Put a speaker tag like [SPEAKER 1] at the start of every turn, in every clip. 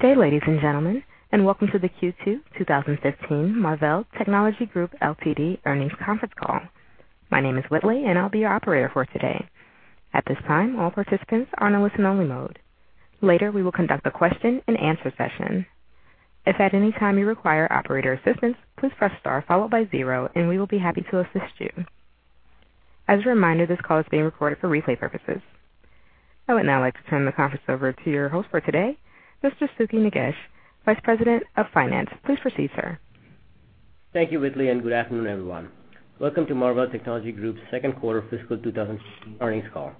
[SPEAKER 1] Good day, ladies and gentlemen, and welcome to the Q2 2015 Marvell Technology Group Ltd. earnings conference call. My name is Whitley, and I'll be your operator for today. At this time, all participants are in listen only mode. Later, we will conduct a question and answer session. If at any time you require operator assistance, please press star followed by zero, and we will be happy to assist you. As a reminder, this call is being recorded for replay purposes. I would now like to turn the conference over to your host for today, Mr. Sukhi Nagesh, Vice President of Finance. Please proceed, sir.
[SPEAKER 2] Thank you, Whitley, and good afternoon, everyone. Welcome to Marvell Technology Group's second quarter fiscal 2015 earnings call.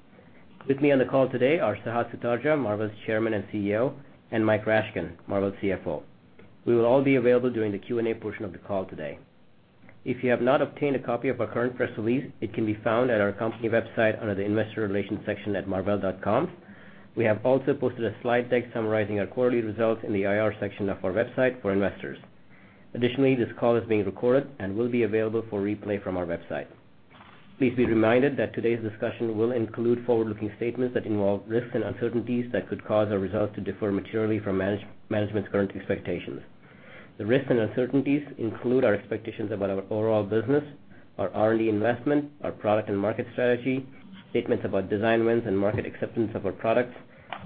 [SPEAKER 2] With me on the call today are Sehat Sutardja, Marvell's Chairman and CEO, and Mike Rashkin, Marvell's CFO. We will all be available during the Q&A portion of the call today. If you have not obtained a copy of our current press release, it can be found at our company website under the investor relations section at marvell.com. We have also posted a slide deck summarizing our quarterly results in the IR section of our website for investors. Additionally, this call is being recorded and will be available for replay from our website. Please be reminded that today's discussion will include forward-looking statements that involve risks and uncertainties that could cause our results to differ materially from management's current expectations. The risks and uncertainties include our expectations about our overall business, our R&D investment, our product and market strategy, statements about design wins, and market acceptance of our products,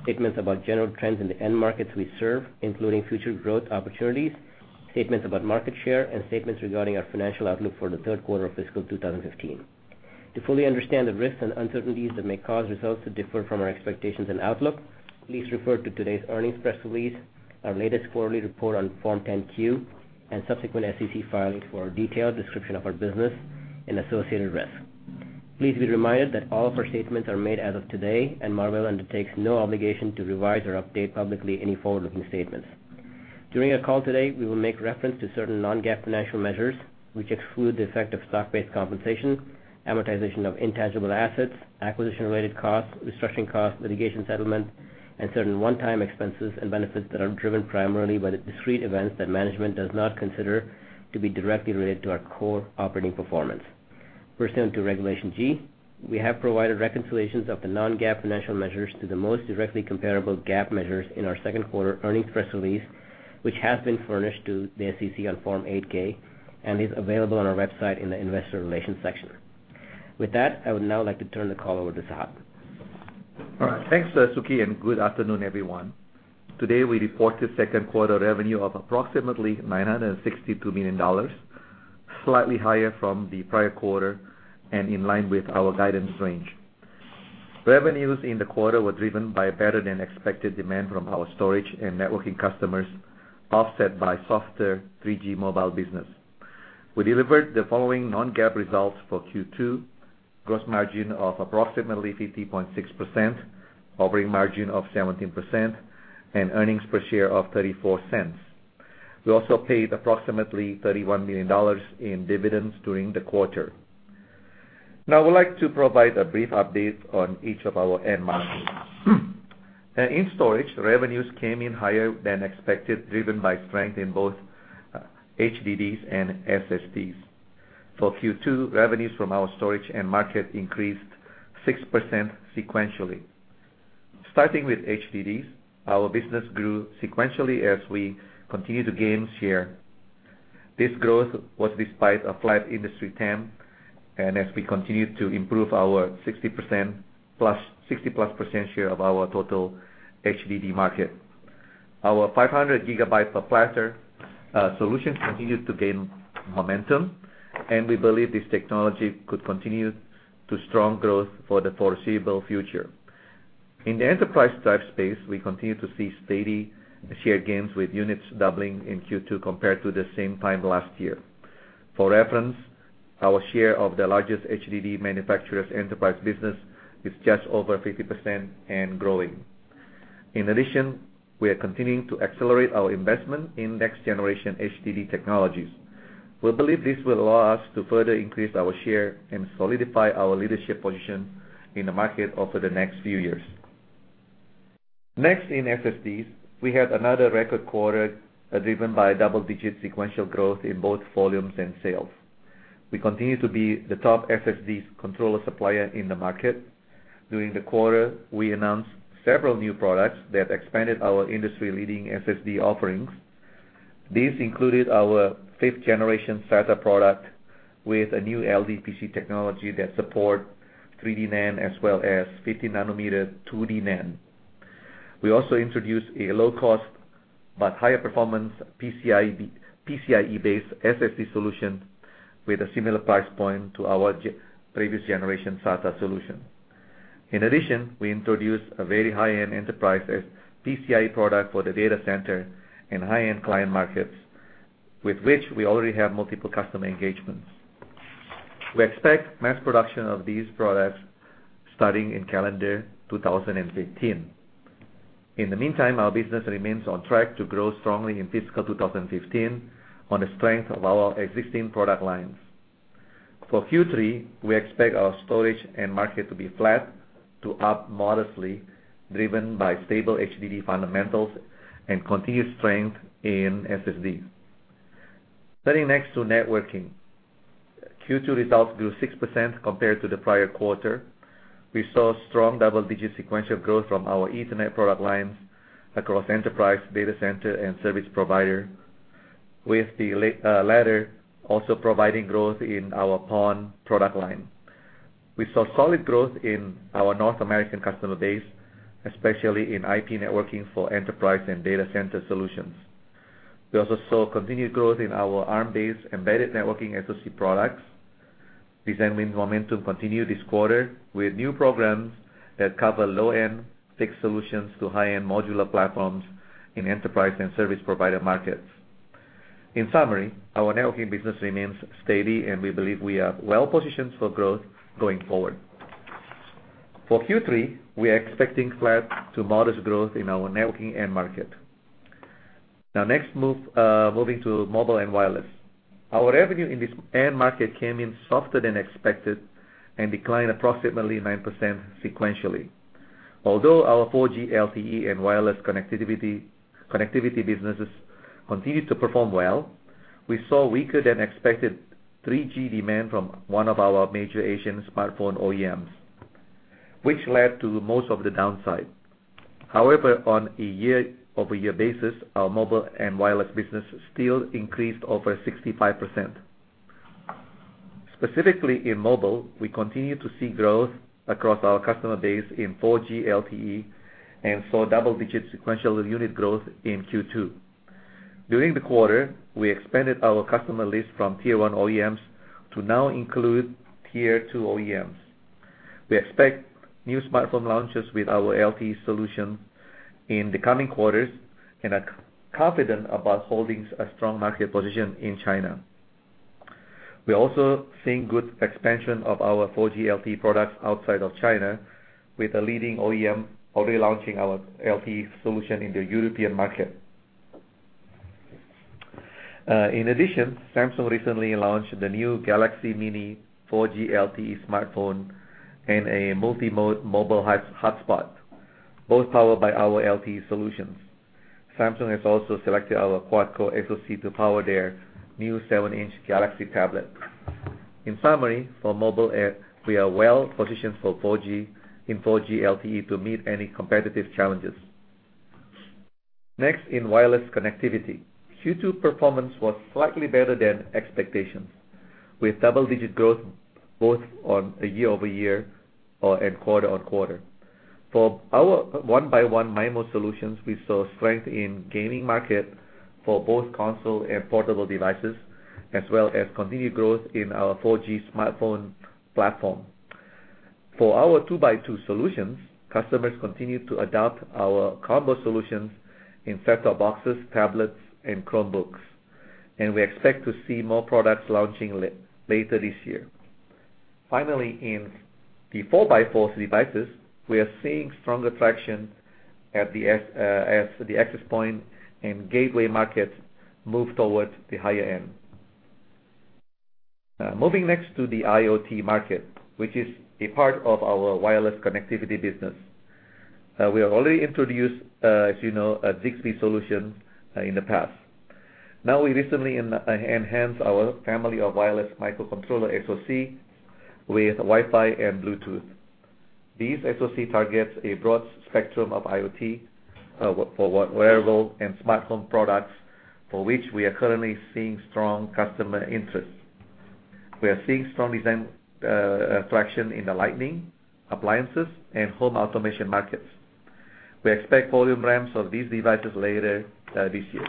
[SPEAKER 2] statements about general trends in the end markets we serve, including future growth opportunities, statements about market share, and statements regarding our financial outlook for the third quarter of fiscal 2015. To fully understand the risks and uncertainties that may cause results to differ from our expectations and outlook, please refer to today's earnings press release, our latest quarterly report on Form 10-Q and subsequent SEC filings for a detailed description of our business and associated risks. Please be reminded that all of our statements are made as of today, and Marvell undertakes no obligation to revise or update publicly any forward-looking statements. During our call today, we will make reference to certain non-GAAP financial measures, which exclude the effect of stock-based compensation, amortization of intangible assets, acquisition-related costs, restructuring costs, litigation settlements, and certain one-time expenses and benefits that are driven primarily by the discrete events that management does not consider to be directly related to our core operating performance. Pursuant to Regulation G, we have provided reconciliations of the non-GAAP financial measures to the most directly comparable GAAP measures in our second quarter earnings press release, which has been furnished to the SEC on Form 8-K and is available on our website in the investor relations section. With that, I would now like to turn the call over to Sehat.
[SPEAKER 3] All right. Thanks, Sukhi, and good afternoon, everyone. Today, we reported second quarter revenue of approximately $962 million, slightly higher from the prior quarter and in line with our guidance range. Revenues in the quarter were driven by better-than-expected demand from our storage and networking customers, offset by softer 3G mobile business. We delivered the following non-GAAP results for Q2: gross margin of approximately 50.6%, operating margin of 17%, and earnings per share of $0.34. We also paid approximately $31 million in dividends during the quarter. I would like to provide a brief update on each of our end markets. In storage, revenues came in higher than expected, driven by strength in both HDDs and SSDs. For Q2, revenues from our storage end market increased 6% sequentially. Starting with HDDs, our business grew sequentially as we continued to gain share. This growth was despite a flat industry TAM and as we continued to improve our 60-plus% share of our total HDD market. Our 500 gigabyte per platter solutions continued to gain momentum, and we believe this technology could continue to strong growth for the foreseeable future. In the enterprise drive space, we continue to see steady share gains, with units doubling in Q2 compared to the same time last year. For reference, our share of the largest HDD manufacturer's enterprise business is just over 50% and growing. We are continuing to accelerate our investment in next-generation HDD technologies. We believe this will allow us to further increase our share and solidify our leadership position in the market over the next few years. In SSDs, we had another record quarter driven by double-digit sequential growth in both volumes and sales. We continue to be the top SSD controller supplier in the market. During the quarter, we announced several new products that expanded our industry-leading SSD offerings. These included our fifth-generation SATA product with a new LDPC technology that supports 3D NAND as well as 15-nanometer 2D NAND. We also introduced a low-cost but higher performance PCIe-based SSD solution with a similar price point to our previous generation SATA solution. We introduced a very high-end enterprise PCIe product for the data center and high-end client markets, with which we already have multiple customer engagements. We expect mass production of these products starting in calendar 2015. Our business remains on track to grow strongly in fiscal 2015 on the strength of our existing product lines. For Q3, we expect our storage end market to be flat to up modestly, driven by stable HDD fundamentals and continued strength in SSD. Turning next to networking. Q2 results grew 6% compared to the prior quarter. We saw strong double-digit sequential growth from our Ethernet product lines across enterprise, data center, and service provider, with the latter also providing growth in our PON product line. We saw solid growth in our North American customer base, especially in IP networking for enterprise and data center solutions. We also saw continued growth in our Arm-based embedded networking SoC products. Design win momentum continued this quarter with new programs that cover low-end tech solutions to high-end modular platforms in enterprise and service provider markets. Our networking business remains steady, and we believe we are well-positioned for growth going forward. Next, moving to mobile and wireless. Our revenue in this end market came in softer than expected and declined approximately 9% sequentially. Although our 4G LTE and wireless connectivity businesses continued to perform well, we saw weaker than expected 3G demand from one of our major Asian smartphone OEMs, which led to most of the downside. However, on a year-over-year basis, our mobile and wireless business still increased over 65%. Specifically, in mobile, we continue to see growth across our customer base in 4G LTE and saw double-digit sequential unit growth in Q2. During the quarter, we expanded our customer list from Tier 1 OEMs to now include Tier 2 OEMs. We expect new smartphone launches with our LTE solution in the coming quarters and are confident about holding a strong market position in China. We're also seeing good expansion of our 4G LTE products outside of China with a leading OEM already launching our LTE solution in the European market. In addition, Samsung recently launched the new Galaxy Mini 4G LTE smartphone and a multi-mode mobile hotspot, both powered by our LTE solutions. Samsung has also selected our quad-core SoC to power their new seven-inch Galaxy tablet. In summary, for mobile, we are well-positioned in 4G LTE to meet any competitive challenges. In wireless connectivity. Q2 performance was slightly better than expectations, with double-digit growth both on a year-over-year and quarter-on-quarter. For our 1x1 MIMO solutions, we saw strength in gaming market for both console and portable devices, as well as continued growth in our 4G smartphone platform. For our 2x2 solutions, customers continued to adopt our combo solutions in set-top boxes, tablets, and Chromebooks, and we expect to see more products launching later this year. In the 4x4 devices, we are seeing stronger traction as the access point and gateway market move towards the higher end. The IoT market, which is a part of our wireless connectivity business. We have already introduced, as you know, a Zigbee solution in the past. We recently enhanced our family of wireless microcontroller SoC with Wi-Fi and Bluetooth. These SoC targets a broad spectrum of IoT for wearable and smartphone products, for which we are currently seeing strong customer interest. We are seeing strong design traction in the lighting, appliances, and home automation markets. We expect volume ramps of these devices later this year.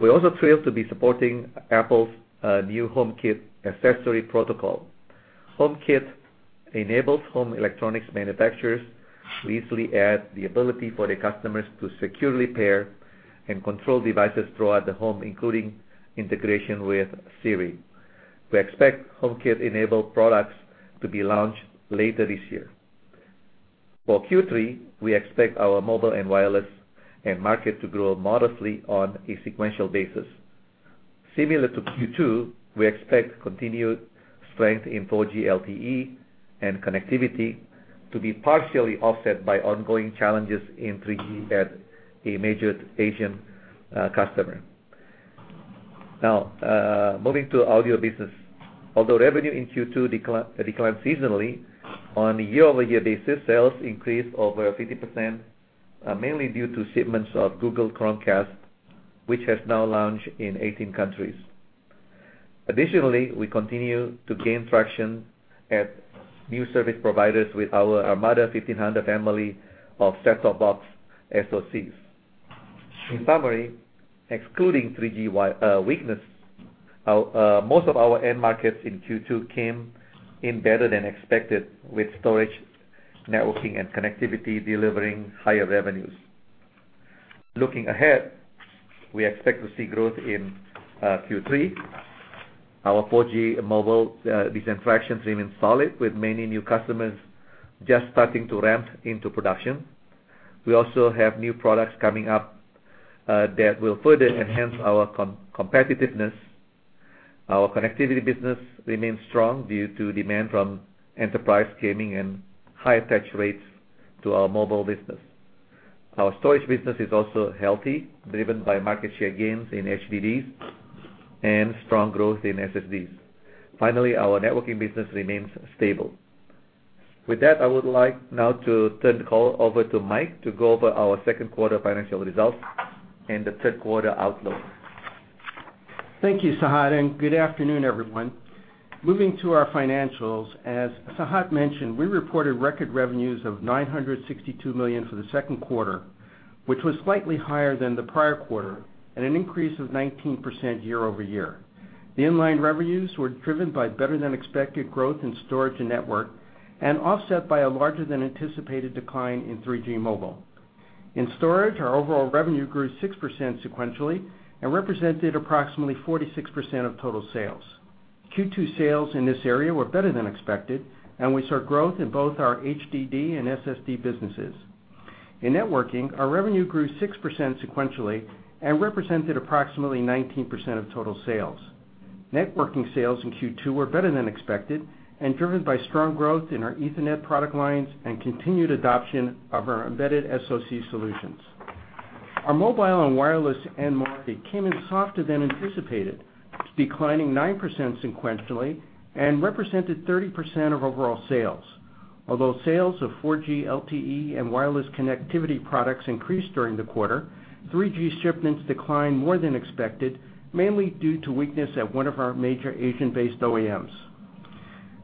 [SPEAKER 3] We're also thrilled to be supporting Apple's new HomeKit accessory protocol. HomeKit enables home electronics manufacturers to easily add the ability for their customers to securely pair and control devices throughout the home, including integration with Siri. We expect HomeKit-enabled products to be launched later this year. For Q3, we expect our mobile and wireless end market to grow modestly on a sequential basis. Similar to Q2, we expect continued strength in 4G LTE and connectivity to be partially offset by ongoing challenges in 3G at a major Asian customer. Moving to audio business. Although revenue in Q2 declined seasonally, on a year-over-year basis, sales increased over 50%, mainly due to shipments of Google Chromecast, which has now launched in 18 countries. Additionally, we continue to gain traction at new service providers with our ARMADA 1500 family of set-top box SoCs. In summary, excluding 3G weakness, most of our end markets in Q2 came in better than expected with storage, networking, and connectivity delivering higher revenues. Looking ahead, we expect to see growth in Q3. Our 4G mobile design fraction remains solid, with many new customers just starting to ramp into production. We also have new products coming up that will further enhance our competitiveness. Our connectivity business remains strong due to demand from enterprise gaming and high attach rates to our mobile business. Our storage business is also healthy, driven by market share gains in HDDs and strong growth in SSDs. Finally, our networking business remains stable. With that, I would like now to turn the call over to Mike to go over our second quarter financial results and the third quarter outlook.
[SPEAKER 4] Thank you, Sehat, and good afternoon, everyone. Moving to our financials, as Sehat mentioned, we reported record revenues of $962 million for the second quarter, which was slightly higher than the prior quarter and an increase of 19% year-over-year. The in-line revenues were driven by better than expected growth in storage and network and offset by a larger than anticipated decline in 3G mobile. In storage, our overall revenue grew 6% sequentially and represented approximately 46% of total sales. Q2 sales in this area were better than expected, and we saw growth in both our HDD and SSD businesses. In networking, our revenue grew 6% sequentially and represented approximately 19% of total sales. Networking sales in Q2 were better than expected and driven by strong growth in our Ethernet product lines and continued adoption of our embedded SoC solutions. Our mobile and wireless end market came in softer than anticipated, declining 9% sequentially and represented 30% of overall sales. Although sales of 4G LTE and wireless connectivity products increased during the quarter, 3G shipments declined more than expected, mainly due to weakness at one of our major Asian-based OEMs.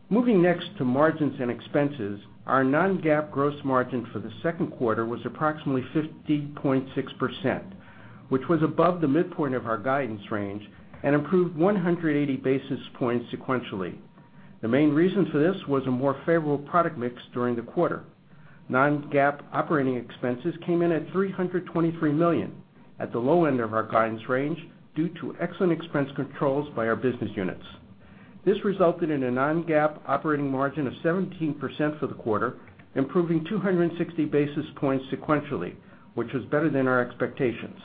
[SPEAKER 4] Moving next to margins and expenses, our non-GAAP gross margin for the second quarter was approximately 50.6%, which was above the midpoint of our guidance range and improved 180 basis points sequentially. The main reason for this was a more favorable product mix during the quarter. Non-GAAP operating expenses came in at $323 million, at the low end of our guidance range, due to excellent expense controls by our business units. This resulted in a non-GAAP operating margin of 17% for the quarter, improving 260 basis points sequentially, which was better than our expectations.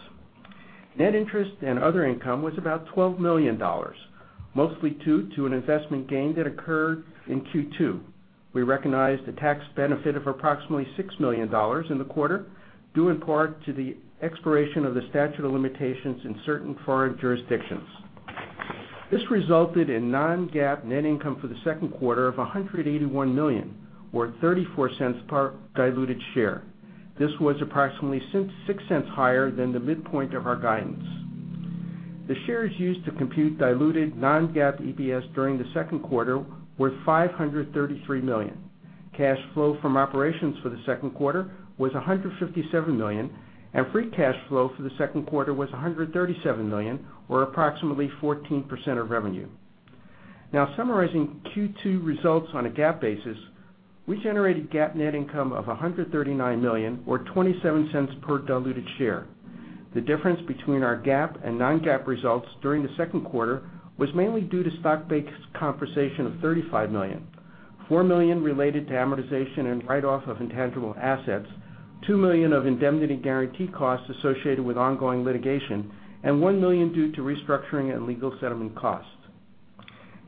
[SPEAKER 4] Net interest and other income was about $12 million, mostly due to an investment gain that occurred in Q2. We recognized a tax benefit of approximately $6 million in the quarter, due in part to the expiration of the statute of limitations in certain foreign jurisdictions. This resulted in non-GAAP net income for the second quarter of $181 million or $0.34 per diluted share. This was approximately $0.06 higher than the midpoint of our guidance. The shares used to compute diluted non-GAAP EPS during the second quarter were 533 million. Cash flow from operations for the second quarter was $157 million, and free cash flow for the second quarter was $137 million, or approximately 14% of revenue. Now, summarizing Q2 results on a GAAP basis, we generated GAAP net income of $139 million or $0.27 per diluted share. The difference between our GAAP and non-GAAP results during the second quarter was mainly due to stock-based compensation of $35 million, $4 million related to amortization and write-off of intangible assets, $2 million of indemnity guarantee costs associated with ongoing litigation, and $1 million due to restructuring and legal settlement costs.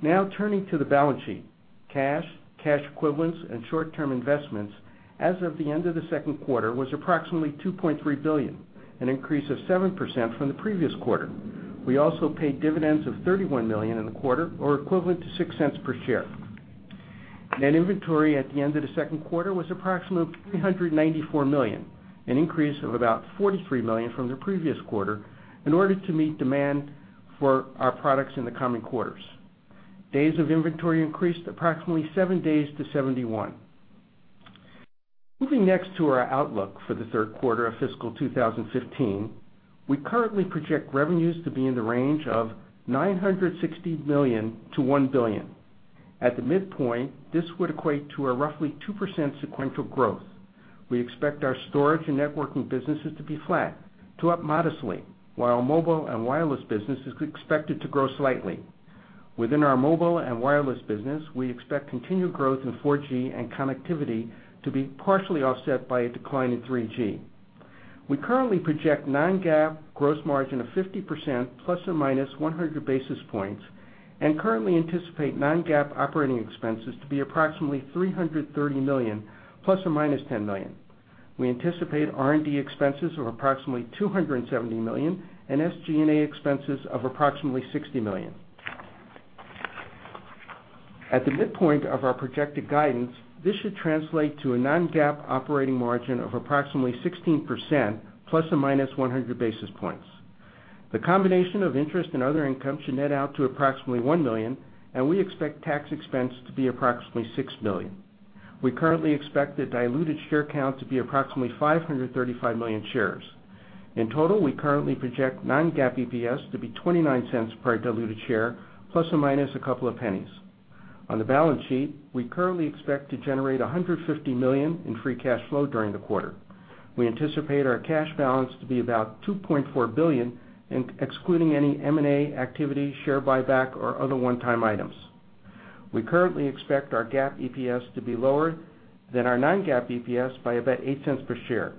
[SPEAKER 4] Now, turning to the balance sheet. Cash, cash equivalents, and short-term investments as of the end of the second quarter was approximately $2.3 billion, an increase of 7% from the previous quarter. We also paid dividends of $31 million in the quarter or equivalent to $0.06 per share. Net inventory at the end of the second quarter was approximately $394 million, an increase of about $43 million from the previous quarter, in order to meet demand for our products in the coming quarters. Days of inventory increased approximately seven days to 71. Moving next to our outlook for the third quarter of fiscal 2015, we currently project revenues to be in the range of $960 million-$1 billion. At the midpoint, this would equate to a roughly 2% sequential growth. We expect our storage and networking businesses to be flat to up modestly, while our mobile and wireless business is expected to grow slightly. Within our mobile and wireless business, we expect continued growth in 4G and connectivity to be partially offset by a decline in 3G. We currently project non-GAAP gross margin of 50% ± 100 basis points and currently anticipate non-GAAP operating expenses to be approximately $330 million ± $10 million. We anticipate R&D expenses of approximately $270 million and SG&A expenses of approximately $60 million. At the midpoint of our projected guidance, this should translate to a non-GAAP operating margin of approximately 16% ± 100 basis points. The combination of interest and other income should net out to approximately $1 million, and we expect tax expense to be approximately $6 million. We currently expect the diluted share count to be approximately 535 million shares. In total, we currently project non-GAAP EPS to be $0.29 per diluted share, ± a couple of pennies. On the balance sheet, we currently expect to generate $150 million in free cash flow during the quarter. We anticipate our cash balance to be about $2.4 billion, excluding any M&A activity, share buyback, or other one-time items. We currently expect our GAAP EPS to be lower than our non-GAAP EPS by about $0.08 per share.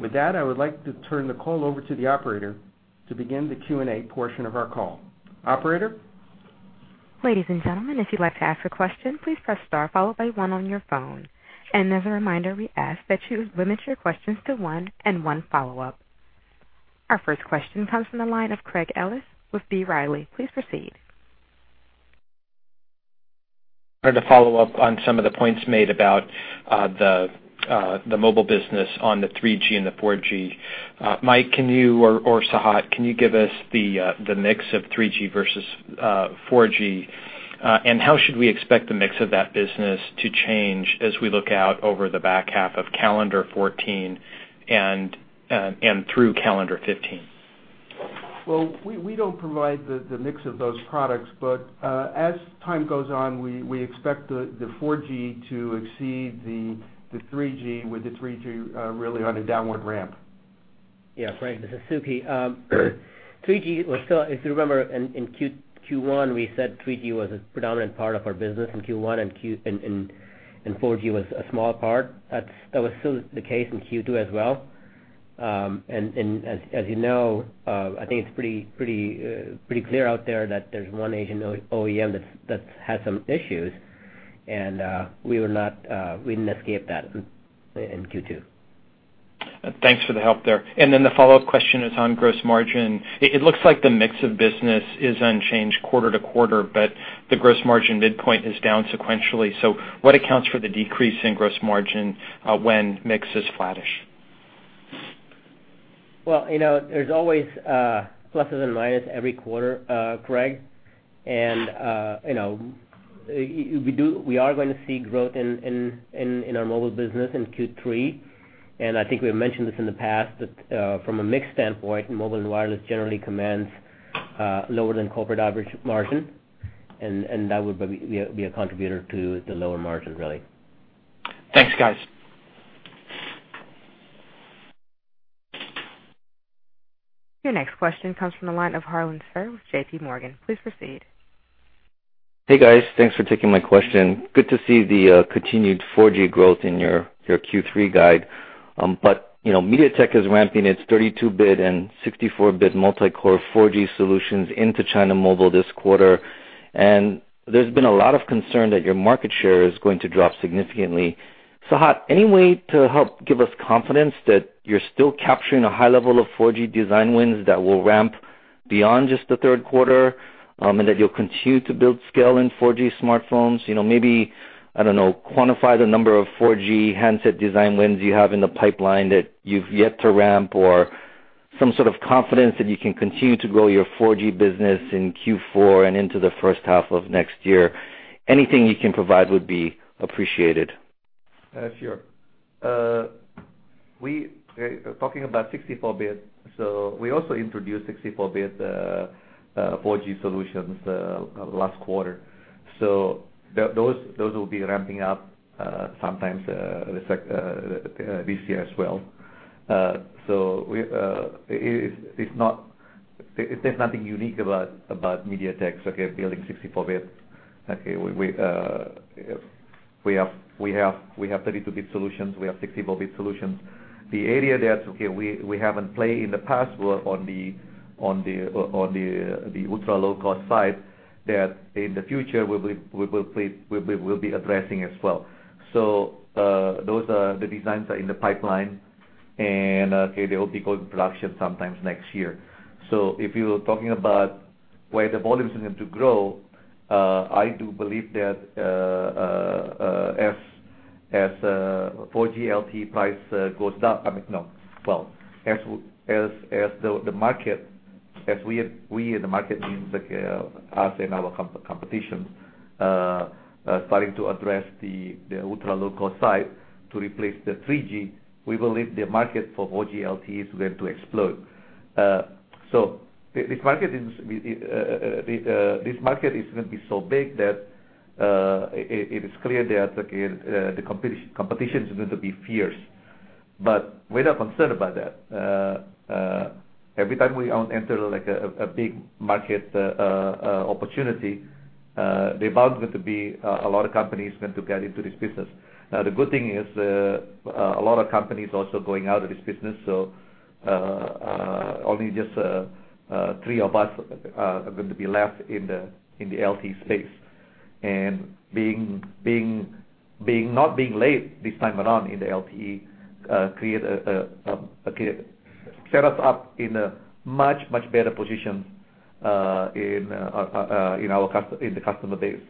[SPEAKER 4] With that, I would like to turn the call over to the operator to begin the Q&A portion of our call. Operator?
[SPEAKER 1] Ladies and gentlemen, if you'd like to ask a question, please press star followed by one on your phone. As a reminder, we ask that you limit your questions to one and one follow-up. Our first question comes from the line of Craig Ellis with B. Riley. Please proceed.
[SPEAKER 5] I had to follow up on some of the points made about the mobile business on the 3G and the 4G. Mike, can you or Sehat, can you give us the mix of 3G versus 4G? How should we expect the mix of that business to change as we look out over the back half of calendar 2014 and through calendar 2015?
[SPEAKER 4] Well, we don't provide the mix of those products, as time goes on, we expect the 4G to exceed the 3G, with the 3G really on a downward ramp.
[SPEAKER 2] Yeah. Craig, this is Sukhi. 3G was still, if you remember, in Q1, we said 3G was a predominant part of our business in Q1 and 4G was a small part. That was still the case in Q2 as well. As you know, I think it's pretty clear out there that there's one Asian OEM that's had some issues, and we didn't escape that in Q2.
[SPEAKER 5] Thanks for the help there. The follow-up question is on gross margin. It looks like the mix of business is unchanged quarter-to-quarter, but the gross margin midpoint is down sequentially. What accounts for the decrease in gross margin when mix is flattish?
[SPEAKER 2] Well, there's always pluses and minuses every quarter, Craig Ellis. We are going to see growth in our mobile business in Q3. I think we've mentioned this in the past, that from a mix standpoint, mobile and wireless generally commands lower than corporate average margin. That would be a contributor to the lower margin, really.
[SPEAKER 5] Thanks, guys.
[SPEAKER 1] Your next question comes from the line of Harlan Sur with J.P. Morgan. Please proceed.
[SPEAKER 6] Hey, guys. Thanks for taking my question. Good to see the continued 4G growth in your Q3 guide. MediaTek is ramping its 32-bit and 64-bit multi-core 4G solutions into China Mobile this quarter, and there's been a lot of concern that your market share is going to drop significantly. Sehat, any way to help give us confidence that you're still capturing a high level of 4G design wins that will ramp beyond just the third quarter, and that you'll continue to build scale in 4G smartphones? Maybe, I don't know, quantify the number of 4G handset design wins you have in the pipeline that you've yet to ramp, or some sort of confidence that you can continue to grow your 4G business in Q4 and into the first half of next year. Anything you can provide would be appreciated.
[SPEAKER 3] Sure. Talking about 64-bit, we also introduced 64-bit 4G solutions last quarter. Those will be ramping up sometime this year as well. There's nothing unique about MediaTek, okay, building 64-bit. We have 32-bit solutions. We have 64-bit solutions. The area that, okay, we haven't played in the past was on the ultra-low-cost side, that in the future, we'll be addressing as well. Those are the designs are in the pipeline, and they will be going to production sometime next year. If you're talking about where the volumes are going to grow, I do believe that as 4G LTE price goes down, I mean, no. Well, as the market, we in the market means us and our competition, are starting to address the ultra-low-cost side to replace the 3G, we believe the market for 4G LTE is going to explode. This market is going to be so big that it is clear that the competition is going to be fierce, but we're not concerned about that. Every time we enter a big market opportunity, there are bound to be a lot of companies going to get into this business. The good thing is a lot of companies are also going out of this business. Only just three of us are going to be left in the LTE space. Not being late this time around in the LTE set us up in a much, much better position in the customer base.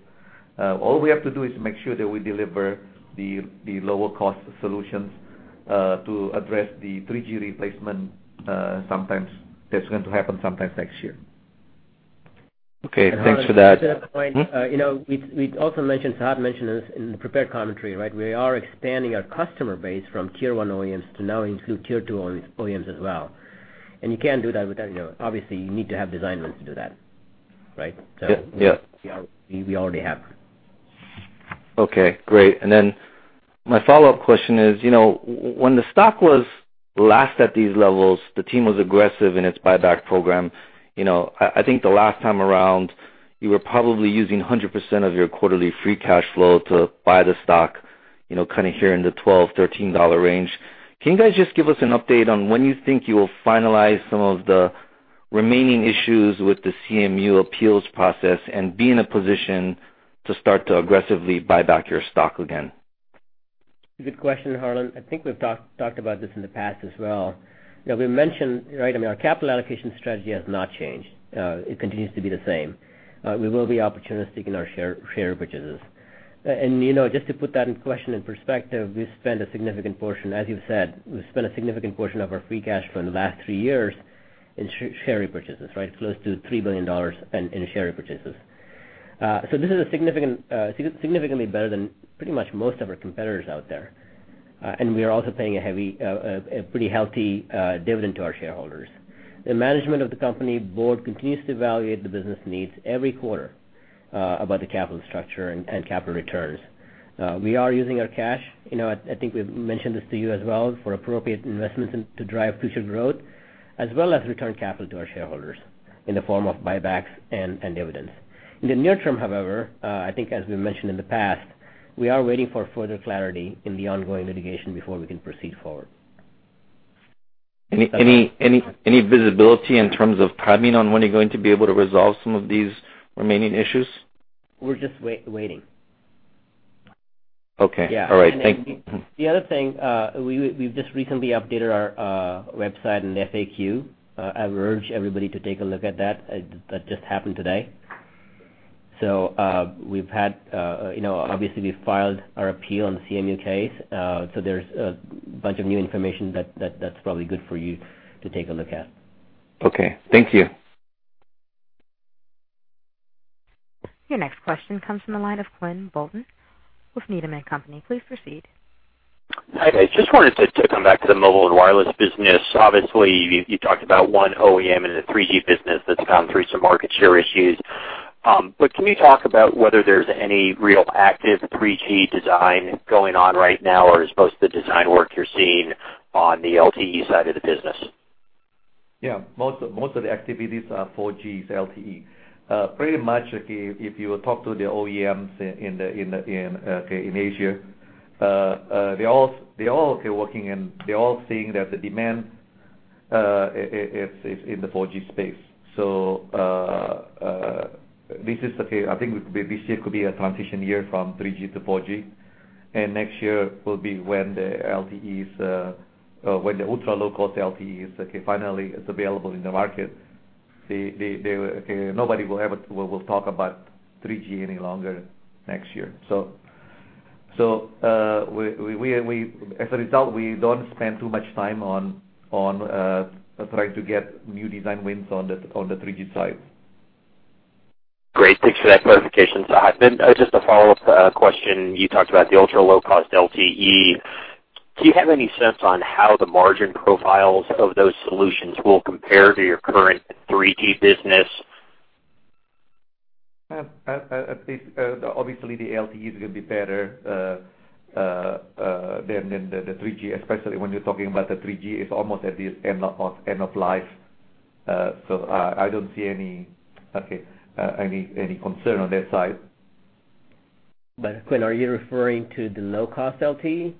[SPEAKER 3] All we have to do is make sure that we deliver the lower-cost solutions to address the 3G replacement that's going to happen sometime next year.
[SPEAKER 6] Okay, thanks for that.
[SPEAKER 2] Harlan, just to that point, Sehat mentioned this in the prepared commentary, right? We are expanding our customer base from tier 1 OEMs to now include tier 2 OEMs as well. You can't do that without, obviously, you need to have design wins to do that, right?
[SPEAKER 6] Yeah.
[SPEAKER 2] We already have.
[SPEAKER 6] Okay, great. Then my follow-up question is, when the stock was last at these levels, the team was aggressive in its buyback program. I think the last time around, you were probably using 100% of your quarterly free cash flow to buy the stock, here in the $12, $13 range. Can you guys just give us an update on when you think you will finalize some of the remaining issues with the CMU appeals process and be in a position to start to aggressively buy back your stock again?
[SPEAKER 2] Good question, Harlan. I think we've talked about this in the past as well. We mentioned, our capital allocation strategy has not changed. It continues to be the same. We will be opportunistic in our share purchases. Just to put that in question, in perspective, we've spent a significant portion, as you've said, we've spent a significant portion of our free cash flow in the last three years in share repurchases, right? Close to $3 billion in share repurchases. This is significantly better than pretty much most of our competitors out there. We are also paying a pretty healthy dividend to our shareholders. The management of the company board continues to evaluate the business needs every quarter, about the capital structure and capital returns. We are using our cash, I think we've mentioned this to you as well, for appropriate investments and to drive future growth, as well as return capital to our shareholders in the form of buybacks and dividends. In the near term, however, I think as we mentioned in the past, we are waiting for further clarity in the ongoing litigation before we can proceed forward.
[SPEAKER 6] Any visibility in terms of timing on when you're going to be able to resolve some of these remaining issues?
[SPEAKER 2] We're just waiting.
[SPEAKER 6] Okay. All right.
[SPEAKER 2] Yeah. The other thing, we've just recently updated our website and FAQ. I urge everybody to take a look at that. That just happened today. Obviously we've filed our appeal on the CMU case. There's a bunch of new information that's probably good for you to take a look at.
[SPEAKER 6] Okay. Thank you.
[SPEAKER 1] Your next question comes from the line of Quinn Bolton with Needham & Company. Please proceed.
[SPEAKER 7] Hi guys. Just wanted to come back to the mobile and wireless business. Obviously, you talked about one OEM in the 3G business that's gone through some market share issues. Can you talk about whether there's any real active 3G design going on right now, or is most of the design work you're seeing on the LTE side of the business?
[SPEAKER 3] Yeah. Most of the activities are 4G LTE. Pretty much, if you talk to the OEMs in Asia, they all are working and they're all seeing that the demand is in the 4G space. I think this year could be a transition year from 3G to 4G, and next year will be when the ultra-low-cost LTE is finally available in the market. Nobody will talk about 3G any longer next year. As a result, we don't spend too much time on trying to get new design wins on the 3G side.
[SPEAKER 7] Great. Thanks for that clarification. Just a follow-up question. You talked about the ultra-low-cost LTE. Do you have any sense on how the margin profiles of those solutions will compare to your current 3G business?
[SPEAKER 3] Obviously, the LTE is going to be better than the 3G, especially when you're talking about the 3G is almost at its end of life. I don't see any concern on that side.
[SPEAKER 2] Quinn, are you referring to the low-cost LTE?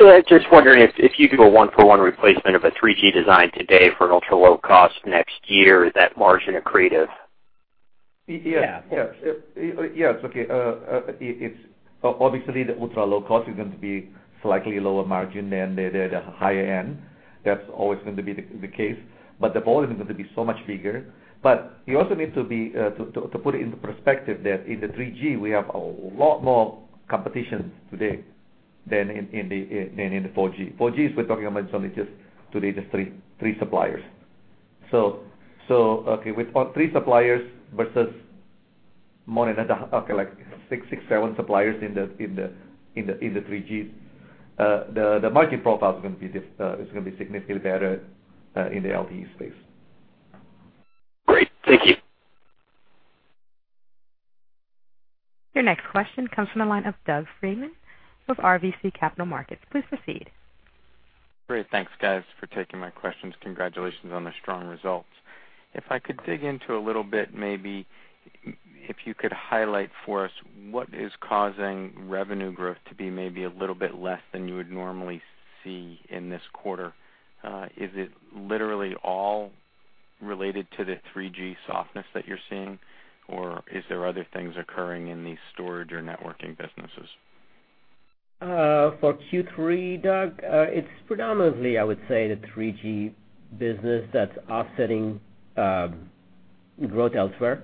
[SPEAKER 7] I was just wondering if you do a one-for-one replacement of a 3G design today for an ultra-low cost next year, is that margin accretive?
[SPEAKER 3] Obviously, the ultra-low cost is going to be slightly lower margin than the higher end. That's always going to be the case, the volume is going to be so much bigger. You also need to put it into perspective that in the 3G, we have a lot more competition today than in the 4G. 4G, we're talking about only just today, the three suppliers. With three suppliers versus more than, like six, seven suppliers in the 3G, the margin profile is going to be significantly better, in the LTE space.
[SPEAKER 7] Great. Thank you.
[SPEAKER 1] Your next question comes from the line of Doug Freedman with RBC Capital Markets. Please proceed.
[SPEAKER 8] Great. Thanks, guys, for taking my questions. Congratulations on the strong results. If I could dig into a little bit, maybe if you could highlight for us what is causing revenue growth to be maybe a little bit less than you would normally see in this quarter. Is it literally all related to the 3G softness that you're seeing, or are there other things occurring in the storage or networking businesses?
[SPEAKER 2] For Q3, Doug, it's predominantly, I would say, the 3G business that's offsetting growth elsewhere.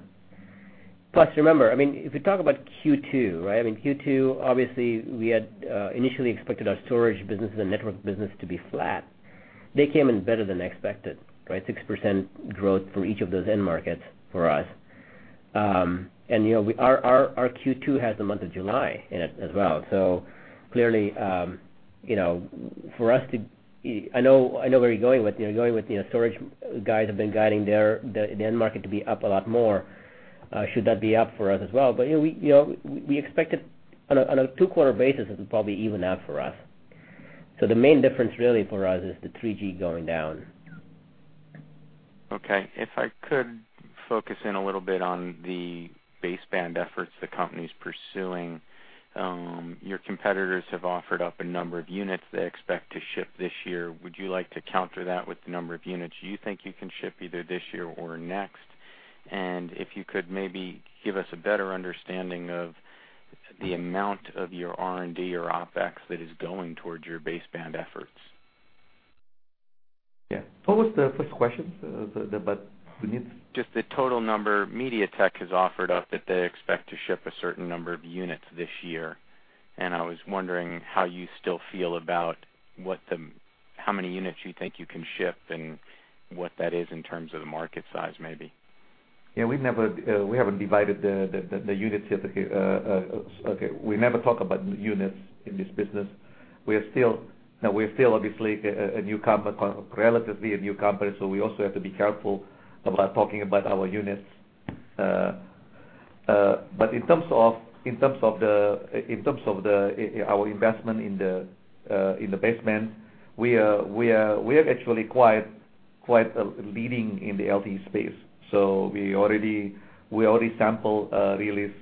[SPEAKER 2] Plus, remember, if you talk about Q2, right? I mean, Q2, obviously, we had initially expected our storage business and network business to be flat. They came in better than expected, right? 6% growth for each of those end markets for us. Our Q2 has the month of July in it as well. For us to I know where you're going with. You're going with storage guys have been guiding their end market to be up a lot more. Should that be up for us as well? We expect it, on a two-quarter basis, it's probably even out for us. The main difference really for us is the 3G going down.
[SPEAKER 8] Okay. If I could focus in a little bit on the baseband efforts the company's pursuing. Your competitors have offered up a number of units they expect to ship this year. Would you like to counter that with the number of units you think you can ship either this year or next? If you could maybe give us a better understanding of the amount of your R&D or OpEx that is going towards your baseband efforts.
[SPEAKER 3] Yeah. What was the first question about the units?
[SPEAKER 8] The total number MediaTek has offered up that they expect to ship a certain number of units this year. I was wondering how you still feel about how many units you think you can ship and what that is in terms of the market size, maybe.
[SPEAKER 3] We haven't divided the units yet. Okay. We never talk about units in this business. We're still, obviously, a relatively new company. We also have to be careful about talking about our units. In terms of our investment in the baseband, we are actually quite leading in the LTE space. We already sampled Release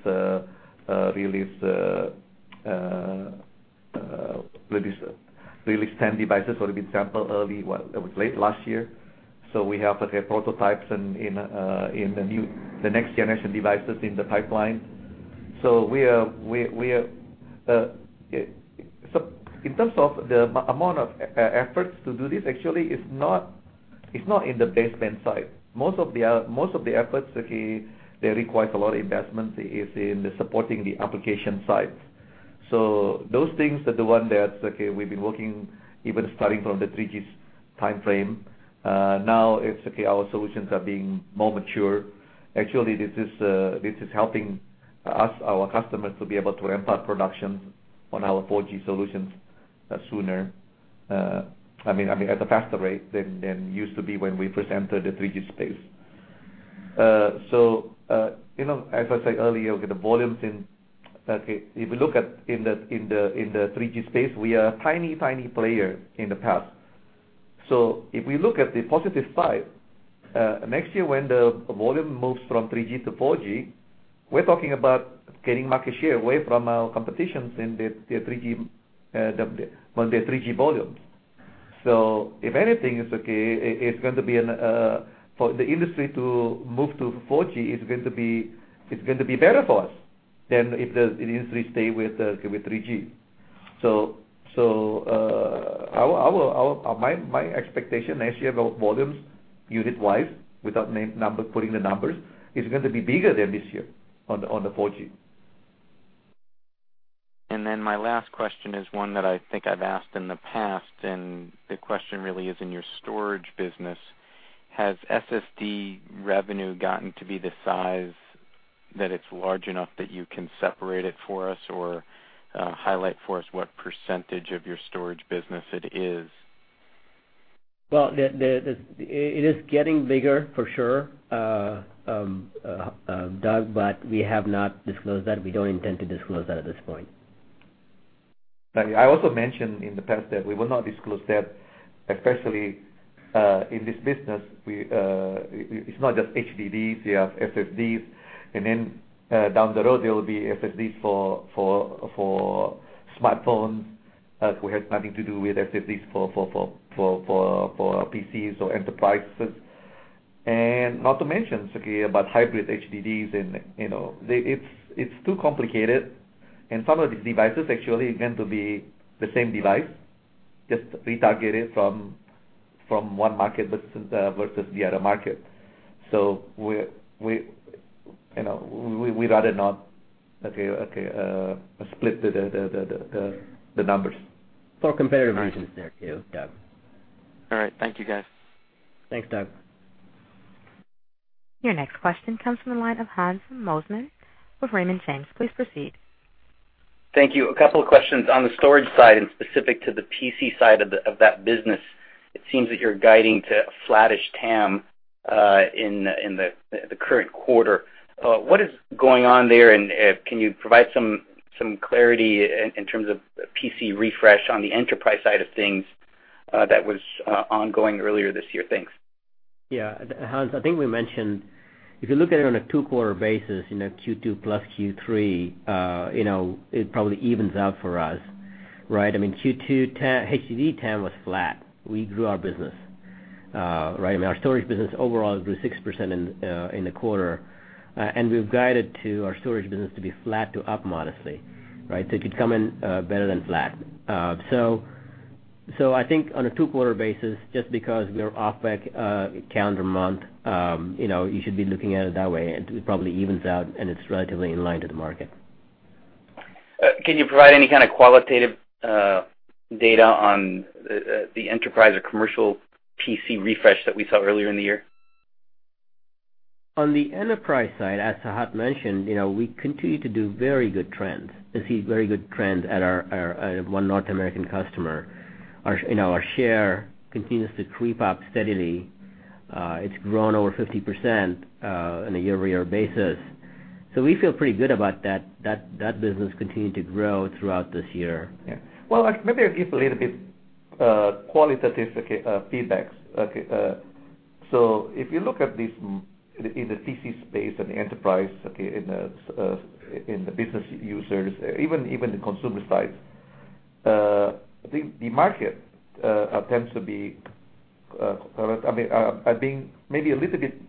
[SPEAKER 3] 10 devices that have been sampled late last year. We have to have prototypes in the next-generation devices in the pipeline. In terms of the amount of efforts to do this, actually, it's not in the baseband side. Most of the efforts, they require a lot of investment is in the supporting the application side. Those things are the ones that we've been working, even starting from the 3G time frame. Now, it's our solutions are being more mature. Actually, this is helping our customers to be able to ramp up production on our 4G solutions sooner, I mean, at a faster rate than it used to be when we first entered the 3G space. As I said earlier, okay, the volumes in If we look at in the 3G space, we are a tiny player in the past. If we look at the positive side, next year when the volume moves from 3G to 4G, we're talking about getting market share away from our competitions in their 3G volumes. If anything, it's okay, for the industry to move to 4G, it's going to be better for us than if the industry stays with 3G. My expectation next year about volumes, unit-wise, without putting the numbers, is going to be bigger than this year on the 4G.
[SPEAKER 8] My last question is one that I think I've asked in the past. The question really is in your storage business. Has SSD revenue gotten to be the size that it's large enough that you can separate it for us or highlight for us what % of your storage business it is?
[SPEAKER 2] Well, it is getting bigger for sure, Doug, we have not disclosed that. We don't intend to disclose that at this point.
[SPEAKER 3] I also mentioned in the past that we will not disclose that, especially in this business, it's not just HDDs, you have SSDs, then down the road, there will be SSDs for smartphones, which has nothing to do with SSDs for PCs or enterprises. Not to mention, Sukhi, about hybrid HDDs and it's too complicated, and some of these devices actually meant to be the same device, just retargeted from one market versus the other market. We'd rather not split the numbers.
[SPEAKER 2] For competitive reasons there too, Doug.
[SPEAKER 8] All right. Thank you, guys.
[SPEAKER 2] Thanks, Doug.
[SPEAKER 1] Your next question comes from the line of Hans Mosesmann with Raymond James. Please proceed.
[SPEAKER 9] Thank you. A couple of questions. On the storage side and specific to the PC side of that business, it seems that you're guiding to a flattish TAM in the current quarter. What is going on there, and can you provide some clarity in terms of PC refresh on the enterprise side of things that was ongoing earlier this year? Thanks.
[SPEAKER 2] Yeah. Hans, I think we mentioned, if you look at it on a two-quarter basis, Q2 plus Q3, it probably evens out for us, right? I mean, Q2 HDD TAM was flat. We grew our business. Right? I mean, our storage business overall grew 6% in the quarter, and we've guided our storage business to be flat to up modestly. Right? It could come in better than flat. I think on a two-quarter basis, just because we are off back calendar month, you should be looking at it that way, and it probably evens out, and it's relatively in line to the market.
[SPEAKER 9] Can you provide any kind of qualitative data on the enterprise or commercial PC refresh that we saw earlier in the year?
[SPEAKER 2] On the enterprise side, as Sehat mentioned, we continue to do very good trends. We see very good trends at our one North American customer. Our share continues to creep up steadily. It's grown over 50% on a year-over-year basis. We feel pretty good about that business continuing to grow throughout this year.
[SPEAKER 3] Yeah. Well, maybe I give a little bit qualitative feedbacks. If you look at this in the PC space and the enterprise, in the business users, even the consumer sides, I think the market tends to be, I think maybe a little bit,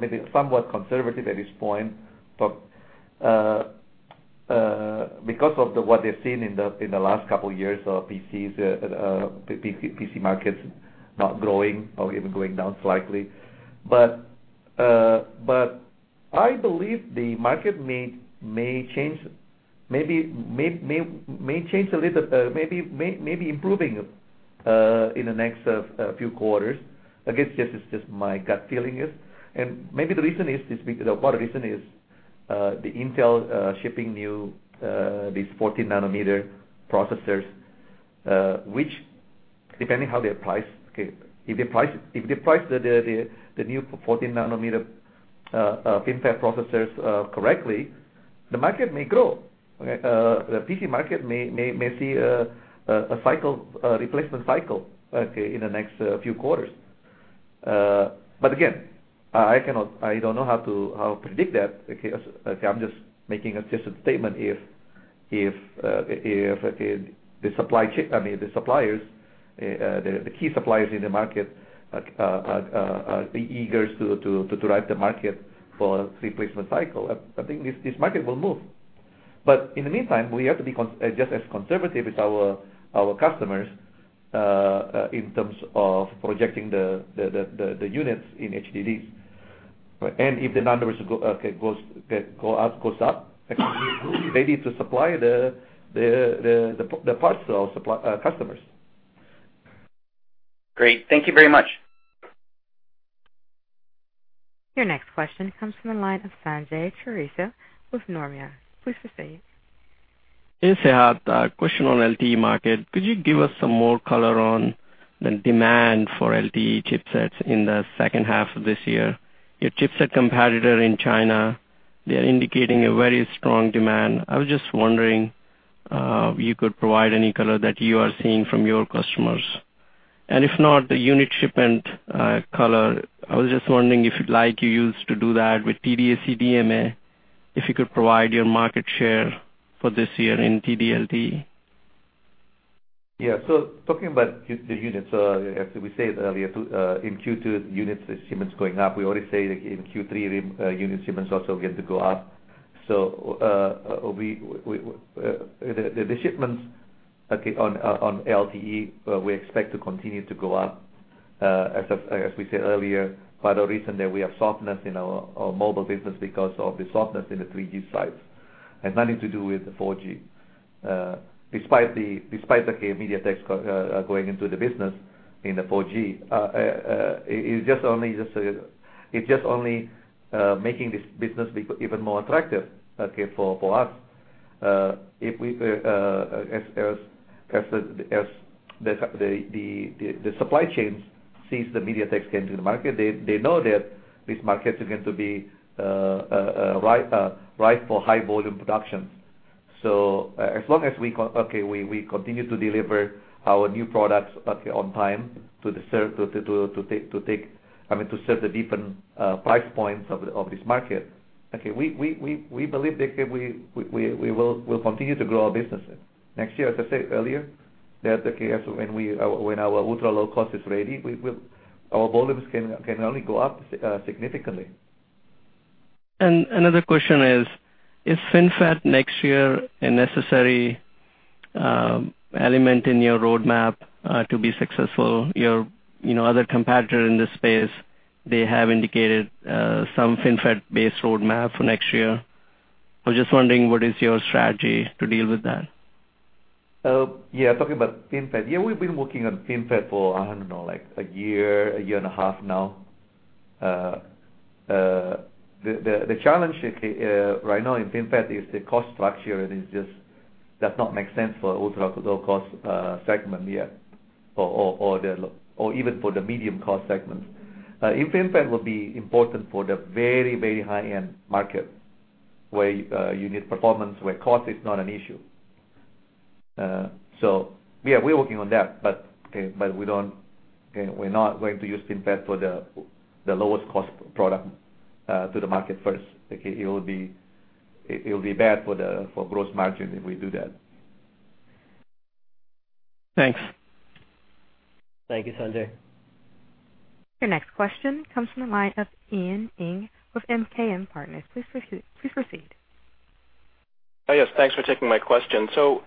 [SPEAKER 3] maybe somewhat conservative at this point, because of what they've seen in the last couple of years of PCs, PC markets not growing or even going down slightly. I believe the market may change, maybe improving, in the next few quarters. Again, this is just my gut feeling is. Maybe part of the reason is, the Intel shipping new these 14 nanometer processors, which depending how they price, okay. If they price the new 14 nanometer FinFET processors correctly, the market may grow. Okay. The PC market may see a replacement cycle, okay, in the next few quarters. Again, I don't know how to predict that. Okay. I'm just making a statement if the suppliers, the key suppliers in the market are eager to drive the market for replacement cycle, I think this market will move. In the meantime, we have to be just as conservative as our customers, in terms of projecting the units in HDDs. If the numbers goes up, they need to supply the parts to our customers.
[SPEAKER 9] Great. Thank you very much.
[SPEAKER 1] Your next question comes from the line of Sanjay Chhatwal with Nomura. Please proceed.
[SPEAKER 10] Hey, Sehat. A question on LTE market. Could you give us some more color on the demand for LTE chipsets in the second half of this year? Your chipset competitor in China, they're indicating a very strong demand. I was just wondering, if you could provide any color that you are seeing from your customers. If not the unit shipment color, I was just wondering if like you used to do that with TD-SCDMA, if you could provide your market share for this year in TD-LTE.
[SPEAKER 3] Yeah. Talking about the units, as we said earlier, in Q2, unit shipments going up. We already said in Q3, unit shipments also get to go up. The shipments on LTE, we expect to continue to go up. As we said earlier, part of the reason that we have softness in our mobile business, because of the softness in the 3G side, has nothing to do with the 4G. Despite the MediaTek going into the business in the 4G, it's just only making this business even more attractive, okay, for us. As the supply chains sees the MediaTek came to the market, they know that this market is going to be ripe for high volume production. As long as we continue to deliver our new products on time to serve the different price points of this market. We believe that we'll continue to grow our business. Next year, as I said earlier, when our ultra-low cost is ready, our volumes can only go up significantly.
[SPEAKER 10] Another question is FinFET next year a necessary element in your roadmap, to be successful? Your other competitor in this space, they have indicated some FinFET-based roadmap for next year. I was just wondering, what is your strategy to deal with that?
[SPEAKER 3] Yeah. Talking about FinFET. Yeah, we've been working on FinFET for, I don't know, like a year, a year and a half now. The challenge right now in FinFET is the cost structure, it does not make sense for ultra-low cost segment yet, or even for the medium cost segment. FinFET will be important for the very, very high-end market, where you need performance, where cost is not an issue. Yeah, we're working on that, we're not going to use FinFET for the lowest cost product, to the market first. Okay. It'll be bad for gross margin if we do that.
[SPEAKER 10] Thanks.
[SPEAKER 2] Thank you, Sanjay.
[SPEAKER 1] Your next question comes from the line of Ian Ing with MKM Partners. Please proceed.
[SPEAKER 11] Yes. Thanks for taking my question. For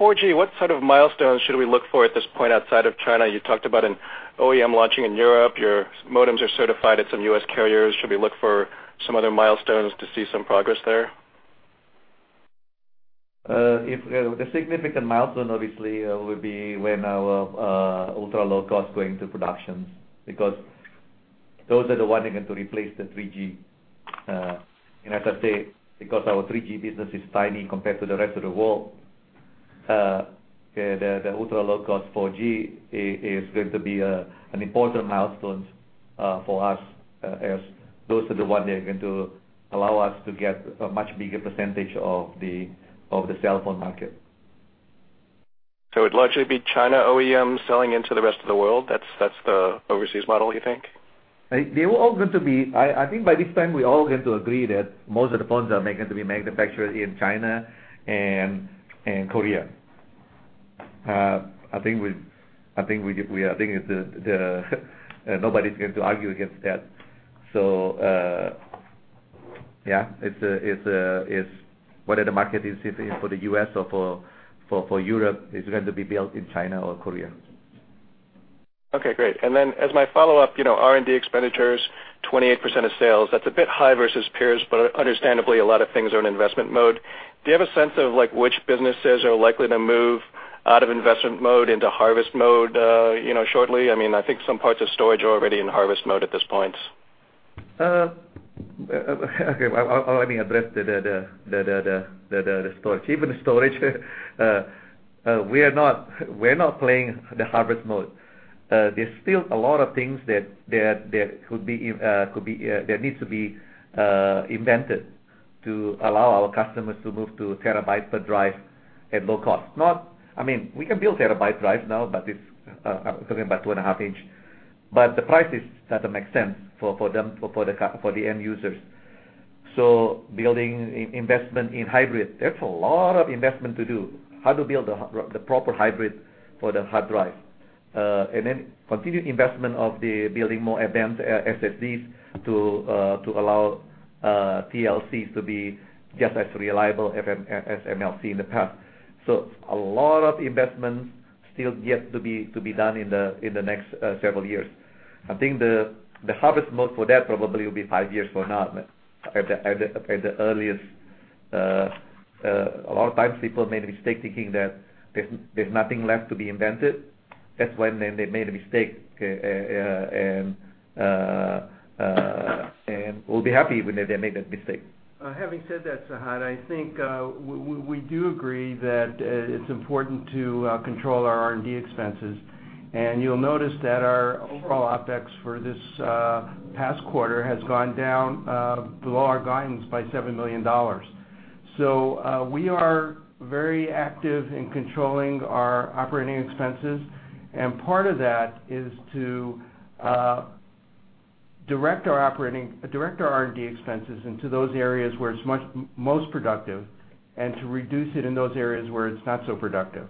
[SPEAKER 11] 4G, what sort of milestones should we look for at this point outside of China? You talked about an OEM launching in Europe. Your modems are certified at some U.S. carriers. Should we look for some other milestones to see some progress there?
[SPEAKER 3] The significant milestone, obviously, will be when our ultra-low cost goes into production, because those are the ones that are going to replace the 3G. As I say, because our 3G business is tiny compared to the rest of the world, the ultra-low-cost 4G is going to be an important milestone for us, as those are the ones that are going to allow us to get a much bigger percentage of the cell phone market.
[SPEAKER 11] It'll largely be China OEM selling into the rest of the world. That's the overseas model, you think?
[SPEAKER 3] I think by this time we all are going to agree that most of the phones are going to be manufactured in China and Korea. I think nobody's going to argue against that. Yeah, whether the market is for the U.S. or for Europe, it's going to be built in China or Korea.
[SPEAKER 11] Okay, great. Then as my follow-up, R&D expenditures, 28% of sales. That's a bit high versus peers, but understandably, a lot of things are in investment mode. Do you have a sense of which businesses are likely to move out of investment mode into harvest mode shortly? I think some parts of storage are already in harvest mode at this point.
[SPEAKER 3] Okay. I'll only address the storage. Even storage, we are not playing the harvest mode. There's still a lot of things that need to be invented to allow our customers to move to terabytes per drive at low cost. We can build terabyte drives now, but it's talking about two and a half inch. The price doesn't make sense for the end users. Building investment in hybrid, there's a lot of investment to do. How to build the proper hybrid for the hard drive. Then continued investment of building more advanced SSDs to allow TLCs to be just as reliable as MLC in the past. A lot of investments still yet to be done in the next several years. I think the harvest mode for that probably will be five years from now at the earliest. A lot of times people make a mistake thinking that there's nothing left to be invented. That's when then they made a mistake, and we'll be happy when they make that mistake.
[SPEAKER 4] Having said that, Sehat, I think we do agree that it's important to control our R&D expenses. You'll notice that our overall OpEx for this past quarter has gone down below our guidance by $7 million. We are very active in controlling our operating expenses, and part of that is to direct our R&D expenses into those areas where it's most productive, and to reduce it in those areas where it's not so productive.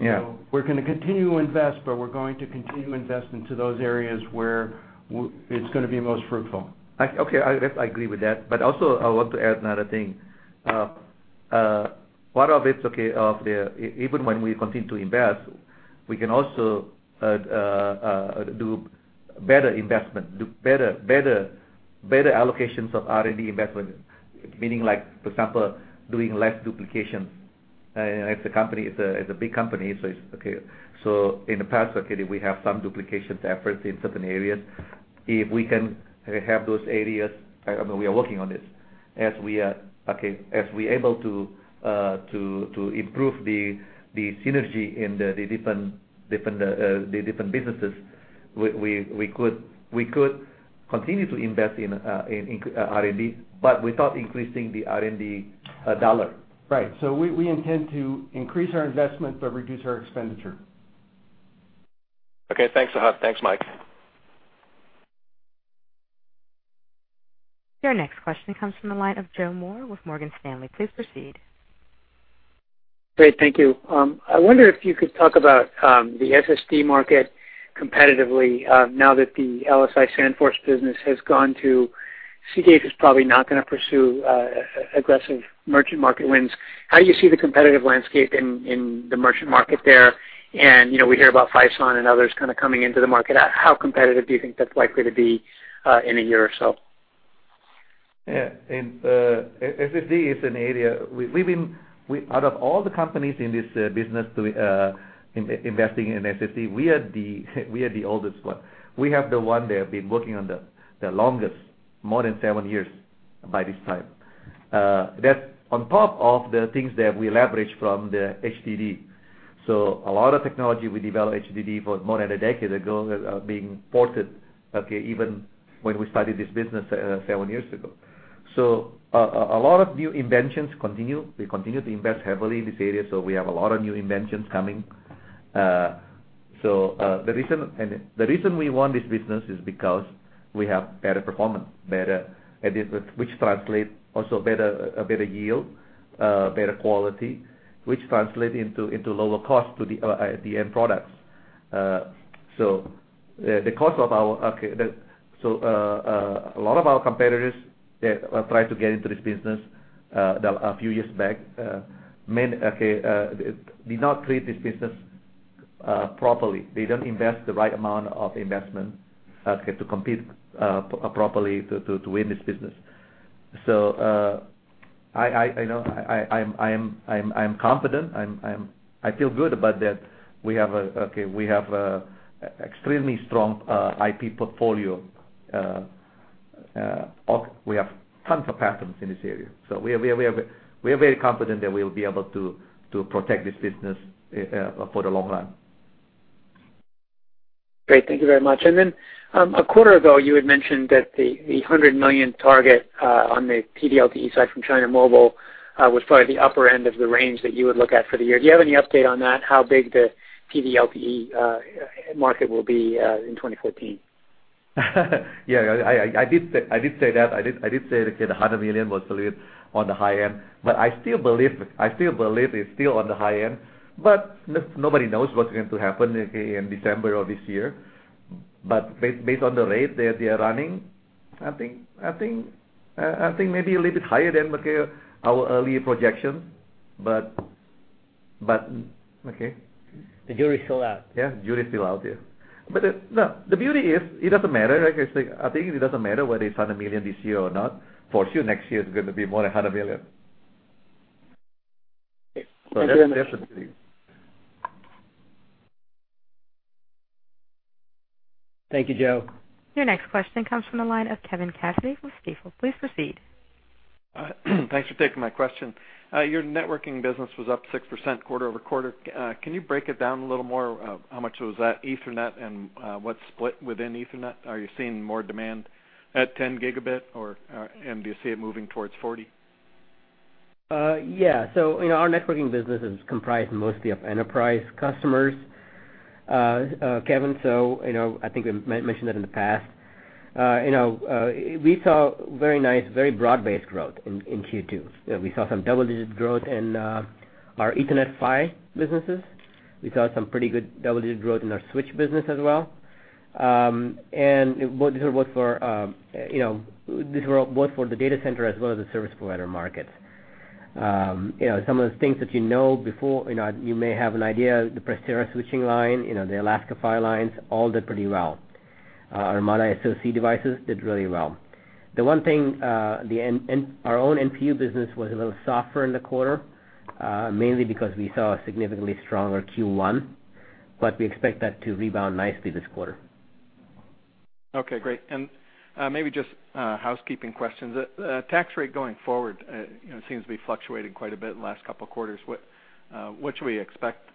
[SPEAKER 3] Yeah.
[SPEAKER 4] We're going to continue to invest, but we're going to continue to invest into those areas where it's going to be most fruitful.
[SPEAKER 3] Okay. I agree with that. Also, I want to add another thing. Part of it, even when we continue to invest, we can also do better investment, do better allocations of R&D investment, meaning like, for example, doing less duplications. As a big company, so it's okay. In the past, we have some duplication efforts in certain areas. If we can have those areas, we are working on this. As we able to improve the synergy in the different businesses, we could continue to invest in R&D, but without increasing the R&D dollar.
[SPEAKER 4] Right. We intend to increase our investment but reduce our expenditure.
[SPEAKER 11] Okay, thanks, Sehat. Thanks, Mike.
[SPEAKER 1] Your next question comes from the line of Joseph Moore with Morgan Stanley. Please proceed.
[SPEAKER 12] Great. Thank you. I wonder if you could talk about the SSD market competitively, now that the LSI SandForce business has gone to Seagate, who's probably not going to pursue aggressive merchant market wins. How do you see the competitive landscape in the merchant market there? We hear about Phison and others kind of coming into the market. How competitive do you think that's likely to be in a year or so?
[SPEAKER 3] Yeah. SSD is an area. Out of all the companies in this business investing in SSD, we are the oldest one. We have the one that have been working on the longest, more than 7 years by this time. That's on top of the things that we leverage from the HDD. A lot of technology we developed HDD for more than 10 years ago are being ported, even when we started this business 7 years ago. A lot of new inventions continue. We continue to invest heavily in this area, so we have a lot of new inventions coming. The reason we want this business is because we have better performance, which translates also a better yield, better quality, which translates into lower cost to the end products. A lot of our competitors that tried to get into this business a few years back did not treat this business properly. They don't invest the right amount of investment to compete properly to win this business. I'm confident, I feel good about that. We have extremely strong IP portfolio. We have tons of patents in this area. We are very confident that we will be able to protect this business for the long run.
[SPEAKER 12] Great. Thank you very much. A quarter ago, you had mentioned that the $100 million target on the TD-LTE side from China Mobile was probably the upper end of the range that you would look at for the year. Do you have any update on that, how big the TD-LTE market will be in 2014?
[SPEAKER 3] I did say that. I did say that the $100 million was on the high end, I still believe it's still on the high end, nobody knows what's going to happen in December of this year. Based on the rate that they're running, I think maybe a little bit higher than our early projections, but okay.
[SPEAKER 12] The jury's still out.
[SPEAKER 3] Yeah, the jury is still out, yeah. The beauty is, it doesn't matter. I think it doesn't matter whether it's $100 million this year or not. For sure, next year it's going to be more than $100 million.
[SPEAKER 12] Okay. Thank you very much.
[SPEAKER 3] That's the beauty. Thank you, Joe.
[SPEAKER 1] Your next question comes from the line of Kevin Cassidy with Stifel. Please proceed.
[SPEAKER 13] Thanks for taking my question. Your networking business was up 6% quarter-over-quarter. Can you break it down a little more? How much of that was Ethernet and what's split within Ethernet? Do you see more demand at 10 gigabit, and do you see it moving towards 40?
[SPEAKER 2] Yeah. Our networking business is comprised mostly of enterprise customers, Kevin. I think we mentioned that in the past. We saw very nice, very broad-based growth in Q2. We saw some double-digit growth in our Ethernet PHY businesses. We saw some pretty good double-digit growth in our switch business as well. These were both for the data center as well as the service provider markets. Some of the things that you know before, you may have an idea, the Prestera switching line, the Alaska PHY lines, all did pretty well. Our ARMADA SoC devices did really well. The one thing, our own NPU business was a little softer in the quarter, mainly because we saw a significantly stronger Q1. We expect that to rebound nicely this quarter.
[SPEAKER 13] Okay, great. Maybe just a housekeeping question. The tax rate going forward seems to be fluctuating quite a bit in the last couple of quarters. What should we expect?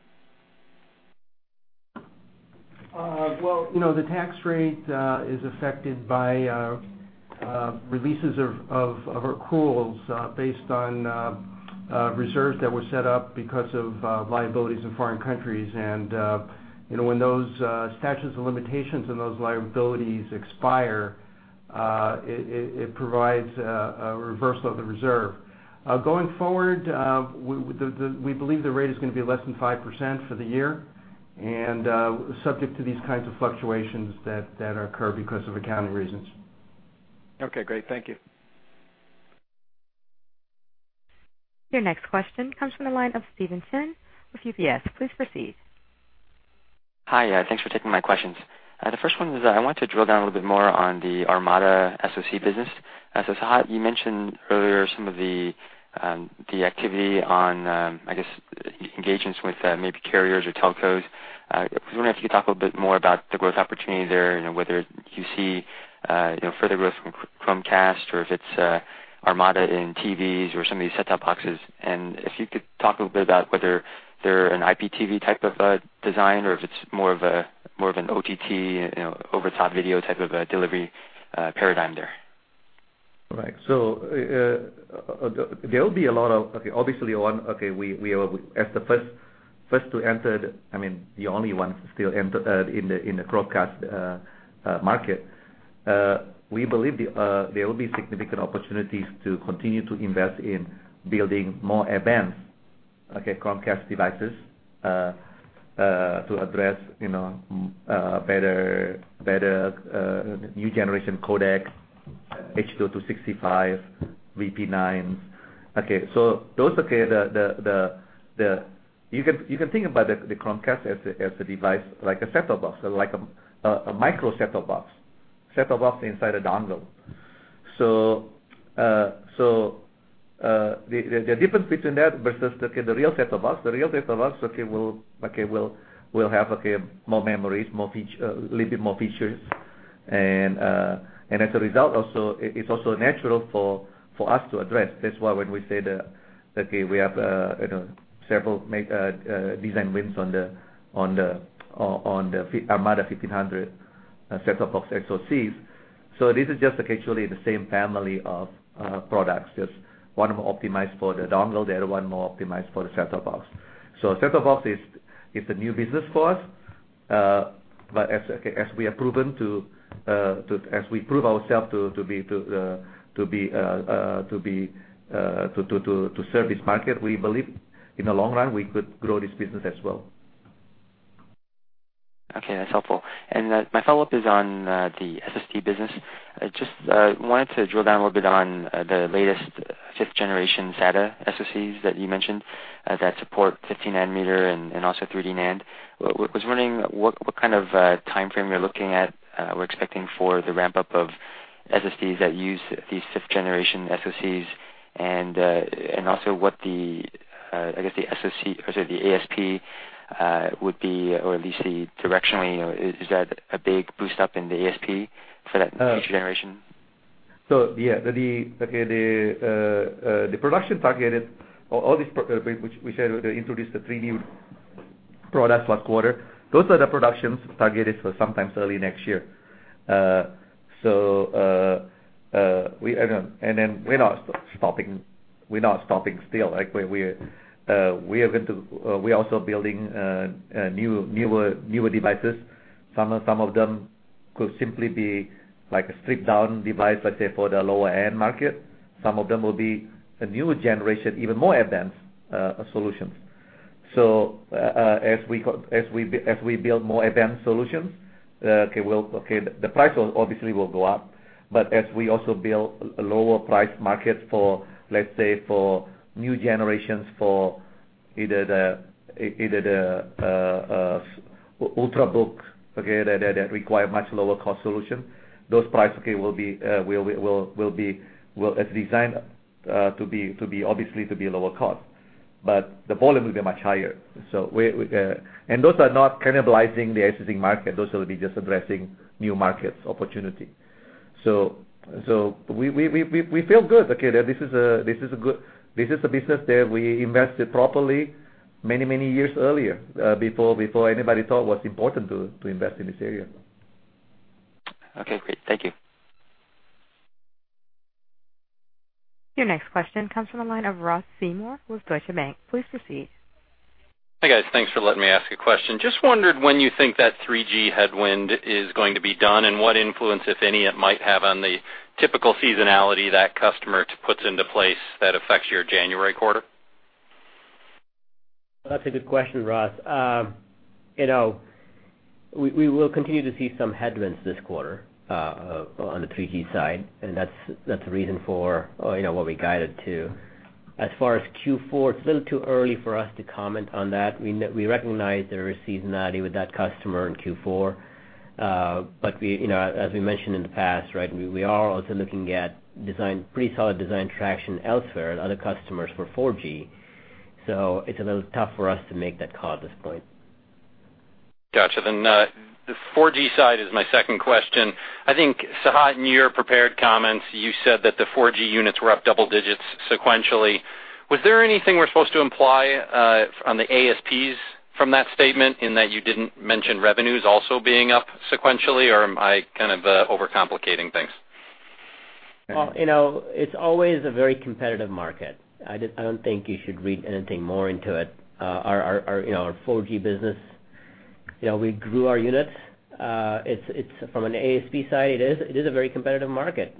[SPEAKER 4] Well, the tax rate is affected by releases of accruals based on reserves that were set up because of liabilities in foreign countries. When those statutes of limitations on those liabilities expire, it provides a reversal of the reserve. Going forward, we believe the rate is going to be less than 5% for the year, subject to these kinds of fluctuations that occur because of accounting reasons.
[SPEAKER 13] Okay, great. Thank you.
[SPEAKER 1] Your next question comes from the line of Steven Chin with UBS. Please proceed.
[SPEAKER 14] Hi. Thanks for taking my questions. The first one is, I want to drill down a little bit more on the ARMADA SoC business. Sehat, you mentioned earlier some of the activity on, I guess, engagements with maybe carriers or telcos. I was wondering if you could talk a little bit more about the growth opportunity there, and whether you see further growth from Chromecast, or if it's ARMADA in TVs or some of these set-top boxes. If you could talk a little bit about whether they're an IPTV type of design or if it's more of an OTT, over-the-top video type of a delivery paradigm there.
[SPEAKER 3] Right. There will be a lot of— Obviously, as the first to enter the, I mean the only ones in the Chromecast market. We believe there will be significant opportunities to continue to invest in building more advanced Chromecast devices to address better new generation codecs, H.265, VP9s. You can think about the Chromecast as a device like a set-top box, like a micro set-top box. Set-top box inside a dongle. The difference between that versus the real set-top box, the real set-top box will have more memories, a little bit more features. As a result, it's also natural for us to address. That's why when we say that we have several design wins on the ARMADA 1500 set-top box SoCs. This is just actually the same family of products, just one more optimized for the dongle, the other one more optimized for the set-top box. A set-top box is a new business for us, but as we prove ourself to serve this market, we believe in the long run, we could grow this business as well.
[SPEAKER 14] Okay, that's helpful. My follow-up is on the SSD business. I just wanted to drill down a little bit on the latest fifth-generation SATA SoCs that you mentioned that support 15 nanometer and also 3D NAND. Was wondering what kind of timeframe you're looking at or expecting for the ramp-up of SSDs that use these fifth-generation SoCs, and also what the ASP would be, or at least directionally, is that a big boost up in the ASP for that future generation?
[SPEAKER 3] Yeah, the production targeted, we said we introduced the three new products last quarter. Those are the productions targeted for sometime early next year. Then we're not stopping still. We're also building newer devices. Some of them could simply be a stripped-down device, let's say, for the lower-end market. Some of them will be a newer generation, even more advanced solutions. As we build more advanced solutions, the price obviously will go up, but as we also build lower price markets, let's say, for new generations for either the ultrabook that require much lower cost solution, those price will be designed obviously to be lower cost. The volume will be much higher. Those are not cannibalizing the existing market. Those will be just addressing new markets opportunity. We feel good. This is a business that we invested properly many years earlier, before anybody thought it was important to invest in this area.
[SPEAKER 14] Okay, great. Thank you.
[SPEAKER 1] Your next question comes from the line of Ross Seymore with Deutsche Bank. Please proceed.
[SPEAKER 15] Hi, guys. Thanks for letting me ask a question. Just wondered when you think that 3G headwind is going to be done, and what influence, if any, it might have on the typical seasonality that customer puts into place that affects your January quarter?
[SPEAKER 2] That's a good question, Ross. We will continue to see some headwinds this quarter on the 3G side. That's the reason for what we guided to. As far as Q4, it's a little too early for us to comment on that. We recognize there is seasonality with that customer in Q4. As we mentioned in the past, we are also looking at pretty solid design traction elsewhere in other customers for 4G. It's a little tough for us to make that call at this point.
[SPEAKER 15] Got you. The 4G side is my second question. I think, Sehat, in your prepared comments, you said that the 4G units were up double digits sequentially. Was there anything we're supposed to imply on the ASPs from that statement in that you didn't mention revenues also being up sequentially? Am I overcomplicating things?
[SPEAKER 2] Well, it's always a very competitive market. I don't think you should read anything more into it. Our 4G business, we grew our units. From an ASP side, it is a very competitive market.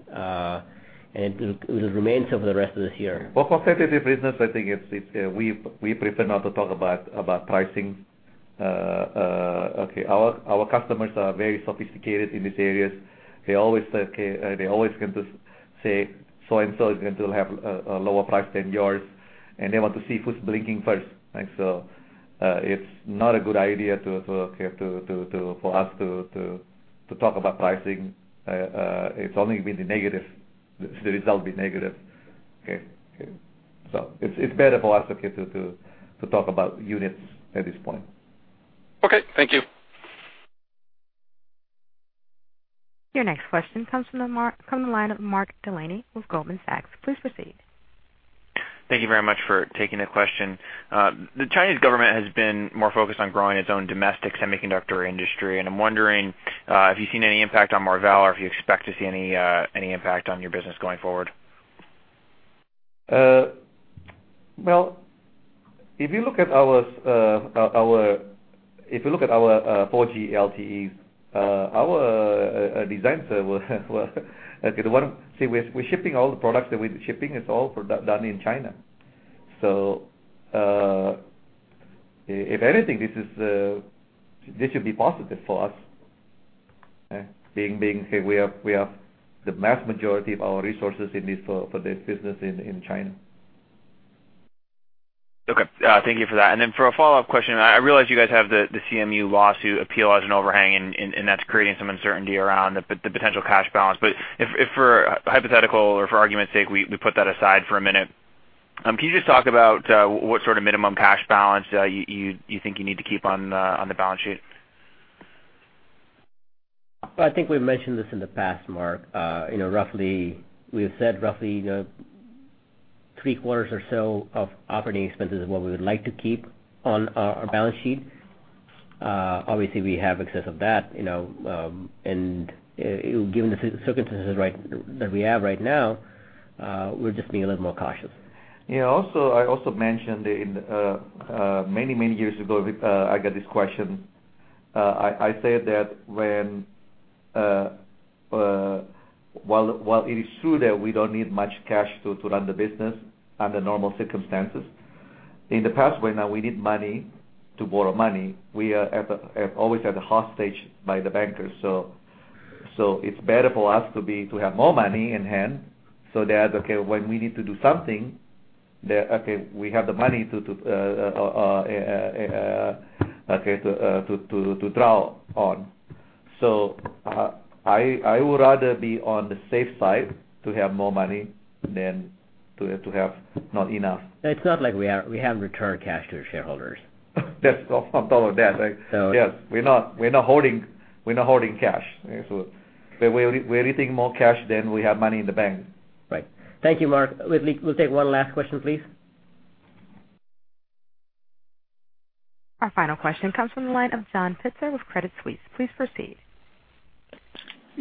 [SPEAKER 2] It will remain so for the rest of this year.
[SPEAKER 3] Well, competitive business, I think we prefer not to talk about pricing. Our customers are very sophisticated in these areas. They always going to say, "So-and-so is going to have a lower price than yours." They want to see who's blinking first. It's not a good idea for us to talk about pricing. It's only been negative. The result will be negative. It's better for us to talk about units at this point.
[SPEAKER 15] Okay, thank you.
[SPEAKER 1] Your next question comes from the line of Mark Delaney with Goldman Sachs. Please proceed.
[SPEAKER 16] Thank you very much for taking the question. The Chinese government has been more focused on growing its own domestic semiconductor industry. I'm wondering have you seen any impact on Marvell, or if you expect to see any impact on your business going forward?
[SPEAKER 3] Well, if you look at our 4G LTEs, our designs, we're shipping all the products that we're shipping is all done in China. If anything, this should be positive for us, being we have the vast majority of our resources for this business in China.
[SPEAKER 16] Thank you for that. For a follow-up question, I realize you guys have the CMU lawsuit appeal as an overhang, and that's creating some uncertainty around the potential cash balance. If for a hypothetical, or for argument's sake, we put that aside for a minute, can you just talk about what sort of minimum cash balance you think you need to keep on the balance sheet?
[SPEAKER 2] I think we've mentioned this in the past, Mark. We've said roughly three-quarters or so of operating expenses is what we would like to keep on our balance sheet. Obviously, we have excess of that, and given the circumstances that we have right now, we're just being a little more cautious.
[SPEAKER 3] I also mentioned many years ago, I got this question. I said that While it is true that we don't need much cash to run the business under normal circumstances, in the past, when we need money, to borrow money, we are always at a hostage by the bankers. It's better for us to have more money in hand, so that, okay, when we need to do something, we have the money to draw on. I would rather be on the safe side to have more money than to have not enough.
[SPEAKER 2] It's not like we haven't returned cash to the shareholders.
[SPEAKER 3] Yes. On top of that, right?
[SPEAKER 2] So.
[SPEAKER 3] Yes. We're not holding cash. We're rethinking more cash than we have money in the bank.
[SPEAKER 2] Right. Thank you, Mark. We'll take one last question, please.
[SPEAKER 1] Our final question comes from the line of John Pitzer with Credit Suisse. Please proceed.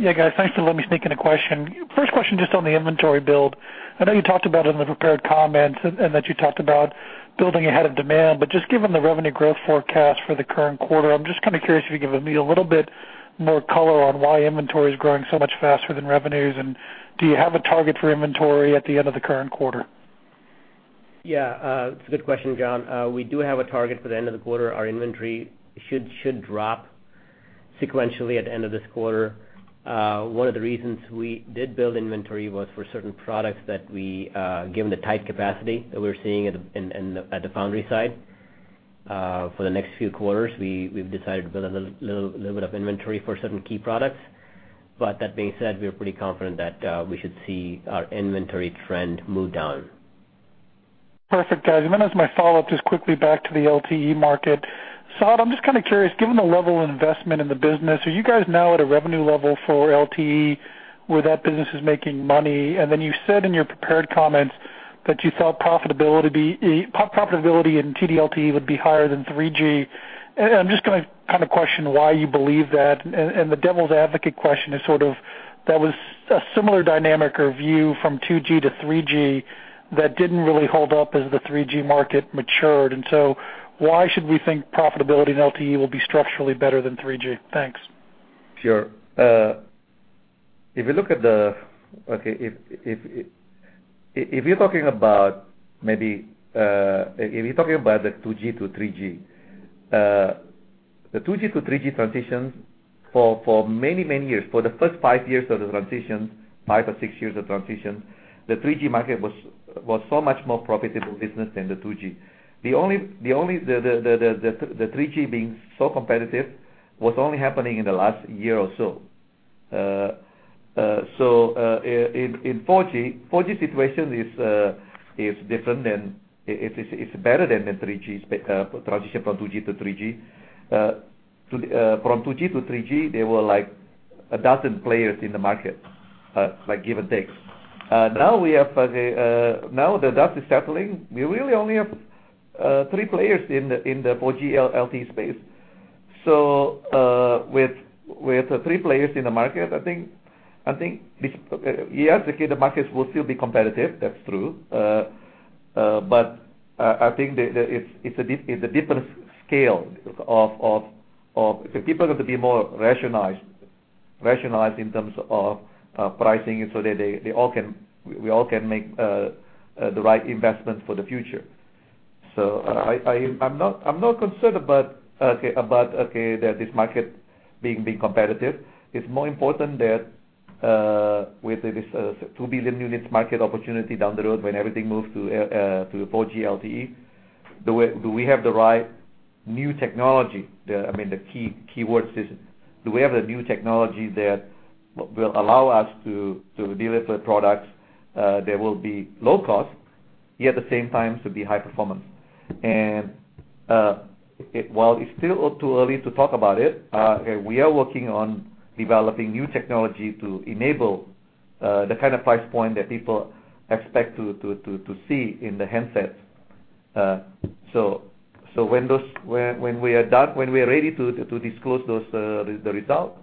[SPEAKER 17] Guys. Thanks for letting me sneak in a question. First question on the inventory build. I know you talked about it in the prepared comments and that you talked about building ahead of demand. Given the revenue growth forecast for the current quarter, I am curious if you can give me a little bit more color on why inventory is growing so much faster than revenues, and do you have a target for inventory at the end of the current quarter?
[SPEAKER 2] It is a good question, John. We do have a target for the end of the quarter. Our inventory should drop sequentially at the end of this quarter. One of the reasons we did build inventory was for certain products that given the tight capacity that we are seeing at the foundry side for the next few quarters, we have decided to build a little bit of inventory for certain key products. That being said, we are pretty confident that we should see our inventory trend move down.
[SPEAKER 17] Perfect. Guys. As my follow-up, quickly back to the LTE market. Sehat, I am curious, given the level of investment in the business, are you guys now at a revenue level for LTE where that business is making money? You said in your prepared comments that you thought profitability in TD-LTE would be higher than 3G. I am going to question why you believe that. The devil's advocate question is sort of, that was a similar dynamic or view from 2G to 3G that did not really hold up as the 3G market matured. Why should we think profitability in LTE will be structurally better than 3G? Thanks.
[SPEAKER 3] Sure. If you are talking about the 2G to 3G. The 2G to 3G transition for the first five or six years of transition, the 3G market was so much more profitable business than the 2G. The 3G being so competitive was only happening in the last year or so. In 4G situation is better than the transition from 2G to 3G. From 2G to 3G, there were like a dozen players in the market, like give or take. Now the dust is settling, we really only have three players in the 4G LTE space. With the three players in the market, I think, yes, okay, the markets will still be competitive. That is true. I think it is a different scale of the people have to be more rationalized in terms of pricing so we all can make the right investments for the future. I'm not concerned about that this market being competitive. It's more important that with this 2 billion units market opportunity down the road when everything moves to the 4G LTE, do we have the right new technology? I mean, the keyword is do we have the new technology that will allow us to deliver products that will be low cost, yet at the same time to be high performance? While it's still too early to talk about it, we are working on developing new technology to enable the kind of price point that people expect to see in the handsets. When we are ready to disclose the result,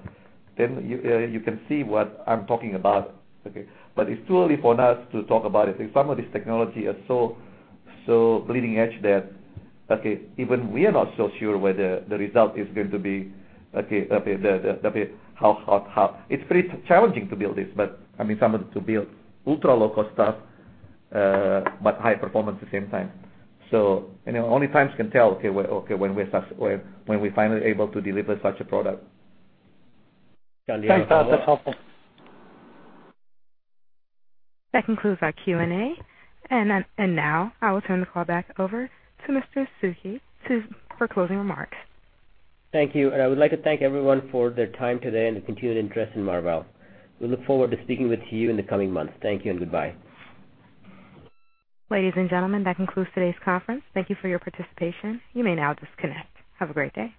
[SPEAKER 3] you can see what I'm talking about. Okay. It's too early for us to talk about it. Some of this technology are so bleeding edge that even we are not so sure whether the result is going to be how. It's pretty challenging to build this, to build ultra-low-cost stuff, but high performance at the same time. Only times can tell when we're finally able to deliver such a product.
[SPEAKER 17] Thanks, Sehat. That's helpful.
[SPEAKER 1] That concludes our Q&A. Now I will turn the call back over to Mr. Sukhi for closing remarks.
[SPEAKER 2] Thank you. I would like to thank everyone for their time today and the continued interest in Marvell. We look forward to speaking with you in the coming months. Thank you and goodbye.
[SPEAKER 1] Ladies and gentlemen, that concludes today's conference. Thank you for your participation. You may now disconnect. Have a great day.